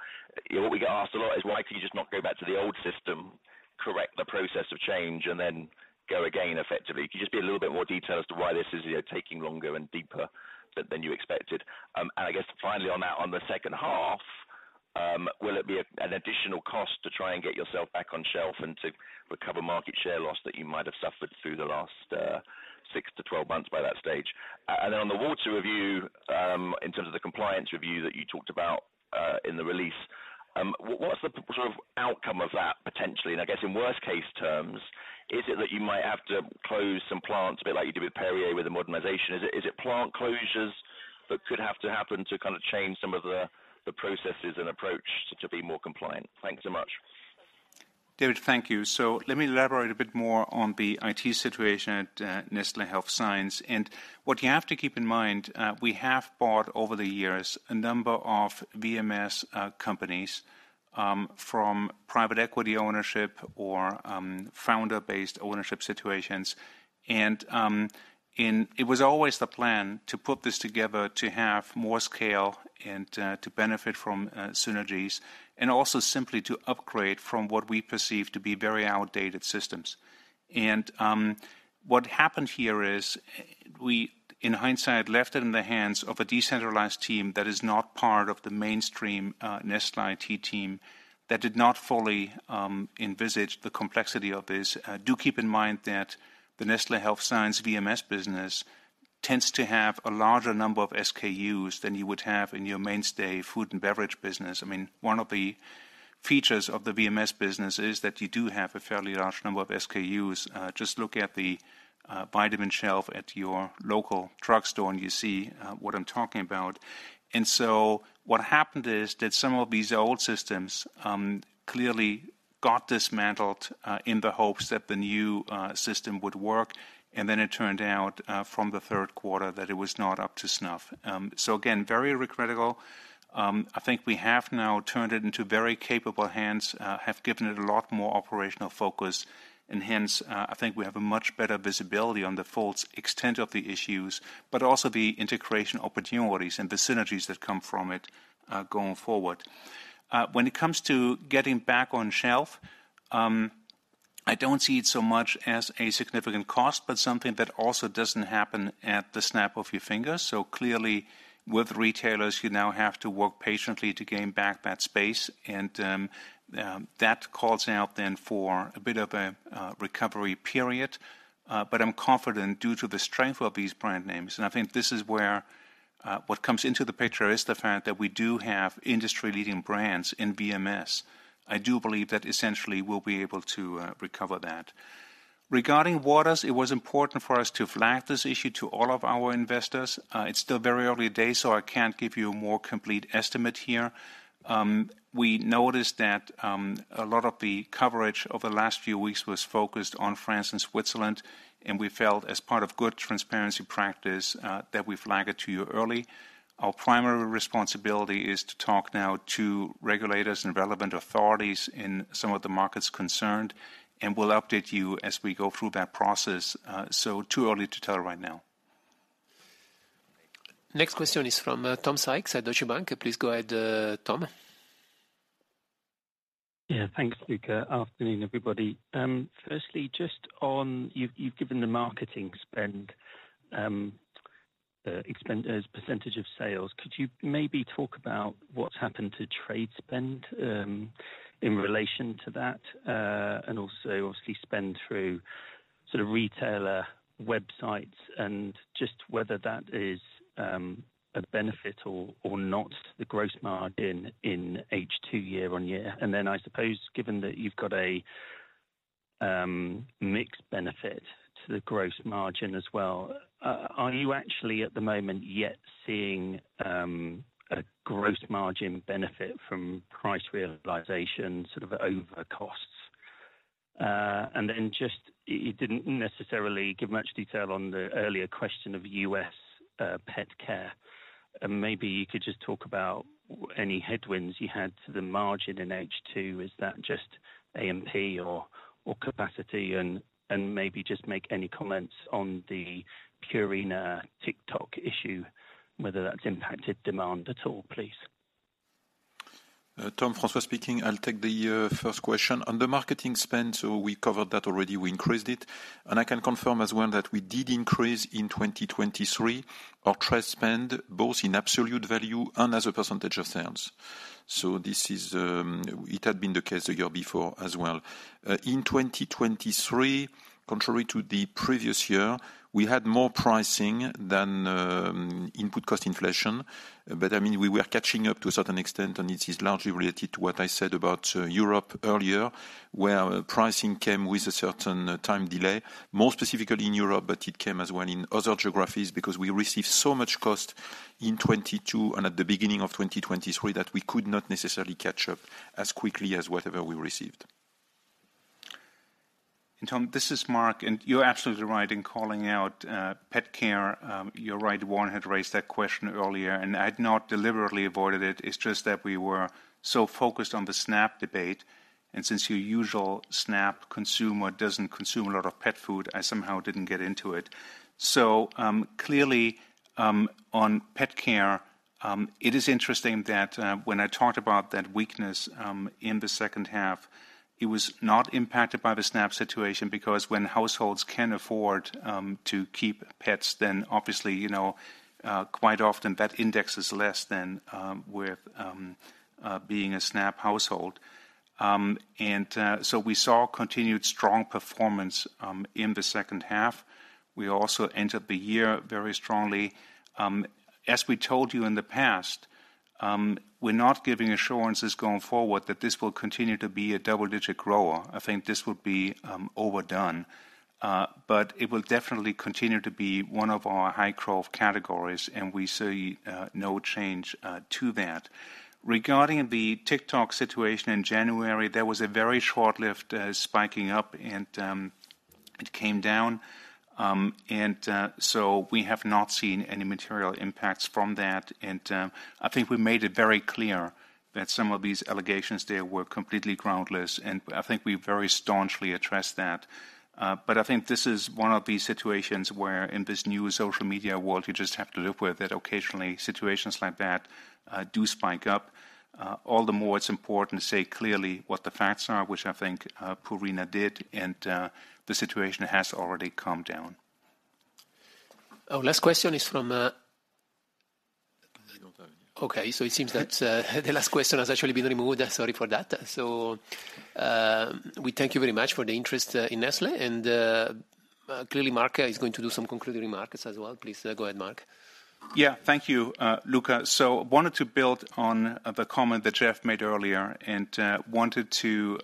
what we get asked a lot is, why can you just not go back to the old system, correct the process of change, and then go again effectively? Can you just be a little bit more detailed as to why this is taking longer and deeper than you expected? I guess, finally, on that, on the second half, will it be an additional cost to try and get yourself back on shelf and to recover market share loss that you might have suffered through the last 6-12 months by that stage? Then on the Waters review, in terms of the compliance review that you talked about in the release, what's the sort of outcome of that potentially? I guess, in worst-case terms, is it that you might have to close some plants a bit like you did with Perrier with the modernization? Is it plant closures that could have to happen to kind of change some of the processes and approach to be more compliant? Thanks so much. David, thank you. Let me elaborate a bit more on the IT situation at Nestlé Health Science. What you have to keep in mind, we have bought over the years a number of VMS companies from private equity ownership or founder-based ownership situations. It was always the plan to put this together to have more scale and to benefit from synergies and also simply to upgrade from what we perceive to be very outdated systems. What happened here is we, in hindsight, left it in the hands of a decentralized team that is not part of the mainstream Nestlé IT team that did not fully envisage the complexity of this. Do keep in mind that the Nestlé Health Science VMS business tends to have a larger number of SKUs than you would have in your mainstay food and beverage business. I mean, one of the features of the VMS business is that you do have a fairly large number of SKUs. Just look at the vitamin shelf at your local drugstore and you see what I'm talking about. And so what happened is that some of these old systems clearly got dismantled in the hopes that the new system would work. And then it turned out from the third quarter that it was not up to snuff. So again, very regrettable. I think we have now turned it into very capable hands, have given it a lot more operational focus. And hence, I think we have a much better visibility on the full extent of the issues but also the integration opportunities and the synergies that come from it going forward. When it comes to getting back on shelf, I don't see it so much as a significant cost but something that also doesn't happen at the snap of your fingers. So clearly, with retailers, you now have to work patiently to gain back that space. And that calls out then for a bit of a recovery period. But I'm confident, due to the strength of these brand names and I think this is where what comes into the picture is the fact that we do have industry-leading brands in VMS. I do believe that, essentially, we'll be able to recover that. Regarding Waters, it was important for us to flag this issue to all of our investors. It's still very early days, so I can't give you a more complete estimate here. We noticed that a lot of the coverage over the last few weeks was focused on France and Switzerland. We felt, as part of good transparency practice, that we flagged it to you early. Our primary responsibility is to talk now to regulators and relevant authorities in some of the markets concerned. We'll update you as we go through that process. Too early to tell right now. Next question is from Tom Sykes at Deutsche Bank. Please go ahead, Tom. Yeah. Thanks, Luca. Afternoon, everybody. Firstly, just on you've given the marketing spend as percentage of sales. Could you maybe talk about what's happened to trade spend in relation to that and also, obviously, spend through sort of retailer websites and just whether that is a benefit or not, the gross margin in H2 year-on-year? And then I suppose, given that you've got a mixed benefit to the gross margin as well, are you actually, at the moment, yet seeing a gross margin benefit from price realization, sort of over costs? And then just you didn't necessarily give much detail on the earlier question of U.S. PetCare. Maybe you could just talk about any headwinds you had to the margin in H2. Is that just A&P or capacity? And maybe just make any comments on the Purina TikTok issue, whether that's impacted demand at all, please. Tom, François speaking. I'll take the first question. On the marketing spend, so we covered that already. We increased it. I can confirm as well that we did increase in 2023 our trade spend, both in absolute value and as a percentage of sales. It had been the case the year before as well. In 2023, contrary to the previous year, we had more pricing than input cost inflation. I mean, we were catching up to a certain extent. It is largely related to what I said about Europe earlier, where pricing came with a certain time delay, more specifically in Europe. It came as well in other geographies because we received so much cost in 2022 and at the beginning of 2023 that we could not necessarily catch up as quickly as whatever we received. Tom, this is Mark. You're absolutely right in calling out PetCare. You're right. Warren had raised that question earlier. I had not deliberately avoided it. It's just that we were so focused on the SNAP debate. Since your usual SNAP consumer doesn't consume a lot of pet food, I somehow didn't get into it. Clearly, on PetCare, it is interesting that when I talked about that weakness in the second half, it was not impacted by the SNAP situation because when households can afford to keep pets, then obviously, quite often, that index is less than with being a SNAP household. We saw continued strong performance in the second half. We also entered the year very strongly. As we told you in the past, we're not giving assurances going forward that this will continue to be a double-digit grower. I think this would be overdone. But it will definitely continue to be one of our high-growth categories. And we see no change to that. Regarding the TikTok situation in January, there was a very short-lived spiking up. And it came down. And so we have not seen any material impacts from that. And I think we made it very clear that some of these allegations there were completely groundless. And I think we very staunchly addressed that. But I think this is one of these situations where, in this new social media world, you just have to live with that occasionally, situations like that do spike up. All the more, it's important to say clearly what the facts are, which I think Purina did. And the situation has already calmed down. Oh, last question is from, okay. So it seems that the last question has actually been removed. Sorry for that. So we thank you very much for the interest in Nestlé. And clearly, Mark is going to do some concluding remarks as well. Please go ahead, Mark. Yeah. Thank you, Luca. So I wanted to build on the comment that Jeff made earlier and wanted to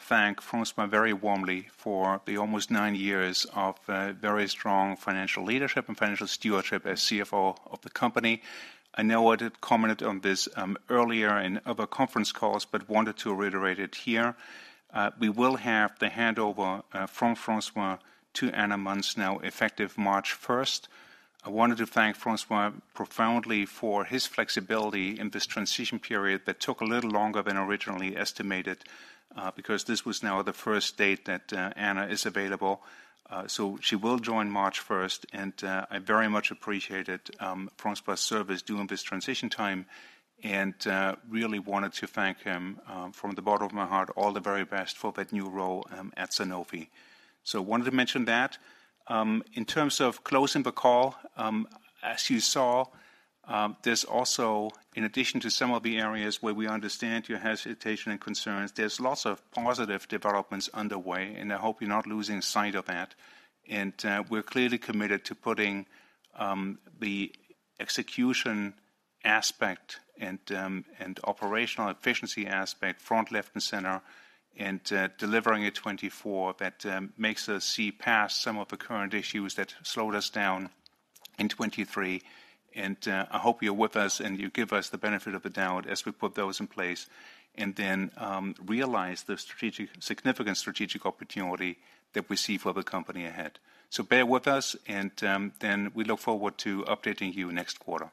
thank François very warmly for the almost nine years of very strong financial leadership and financial stewardship as CFO of the company. I know I did comment on this earlier in other conference calls but wanted to reiterate it here. We will have the handover from François to Anna Manz now effective March 1st. I wanted to thank François profoundly for his flexibility in this transition period that took a little longer than oRIGinally estimated because this was now the first date that Anna is available. So she will join March 1st. And I very much appreciated François's service during this transition time. And really wanted to thank him from the bottom of my heart, all the very best for that new role at Sanofi. So I wanted to mention that. In terms of closing the call, as you saw, there's also, in addition to some of the areas where we understand your hesitation and concerns, there's lots of positive developments underway. I hope you're not losing sight of that. We're clearly committed to putting the execution aspect and operational efficiency aspect front, left, and center and delivering a 2024 that makes us see past some of the current issues that slowed us down in 2023. I hope you're with us and you give us the benefit of the doubt as we put those in place and then realize the significant strategic opportunity that we see for the company ahead. Bear with us. Then we look forward to updating you next quarter.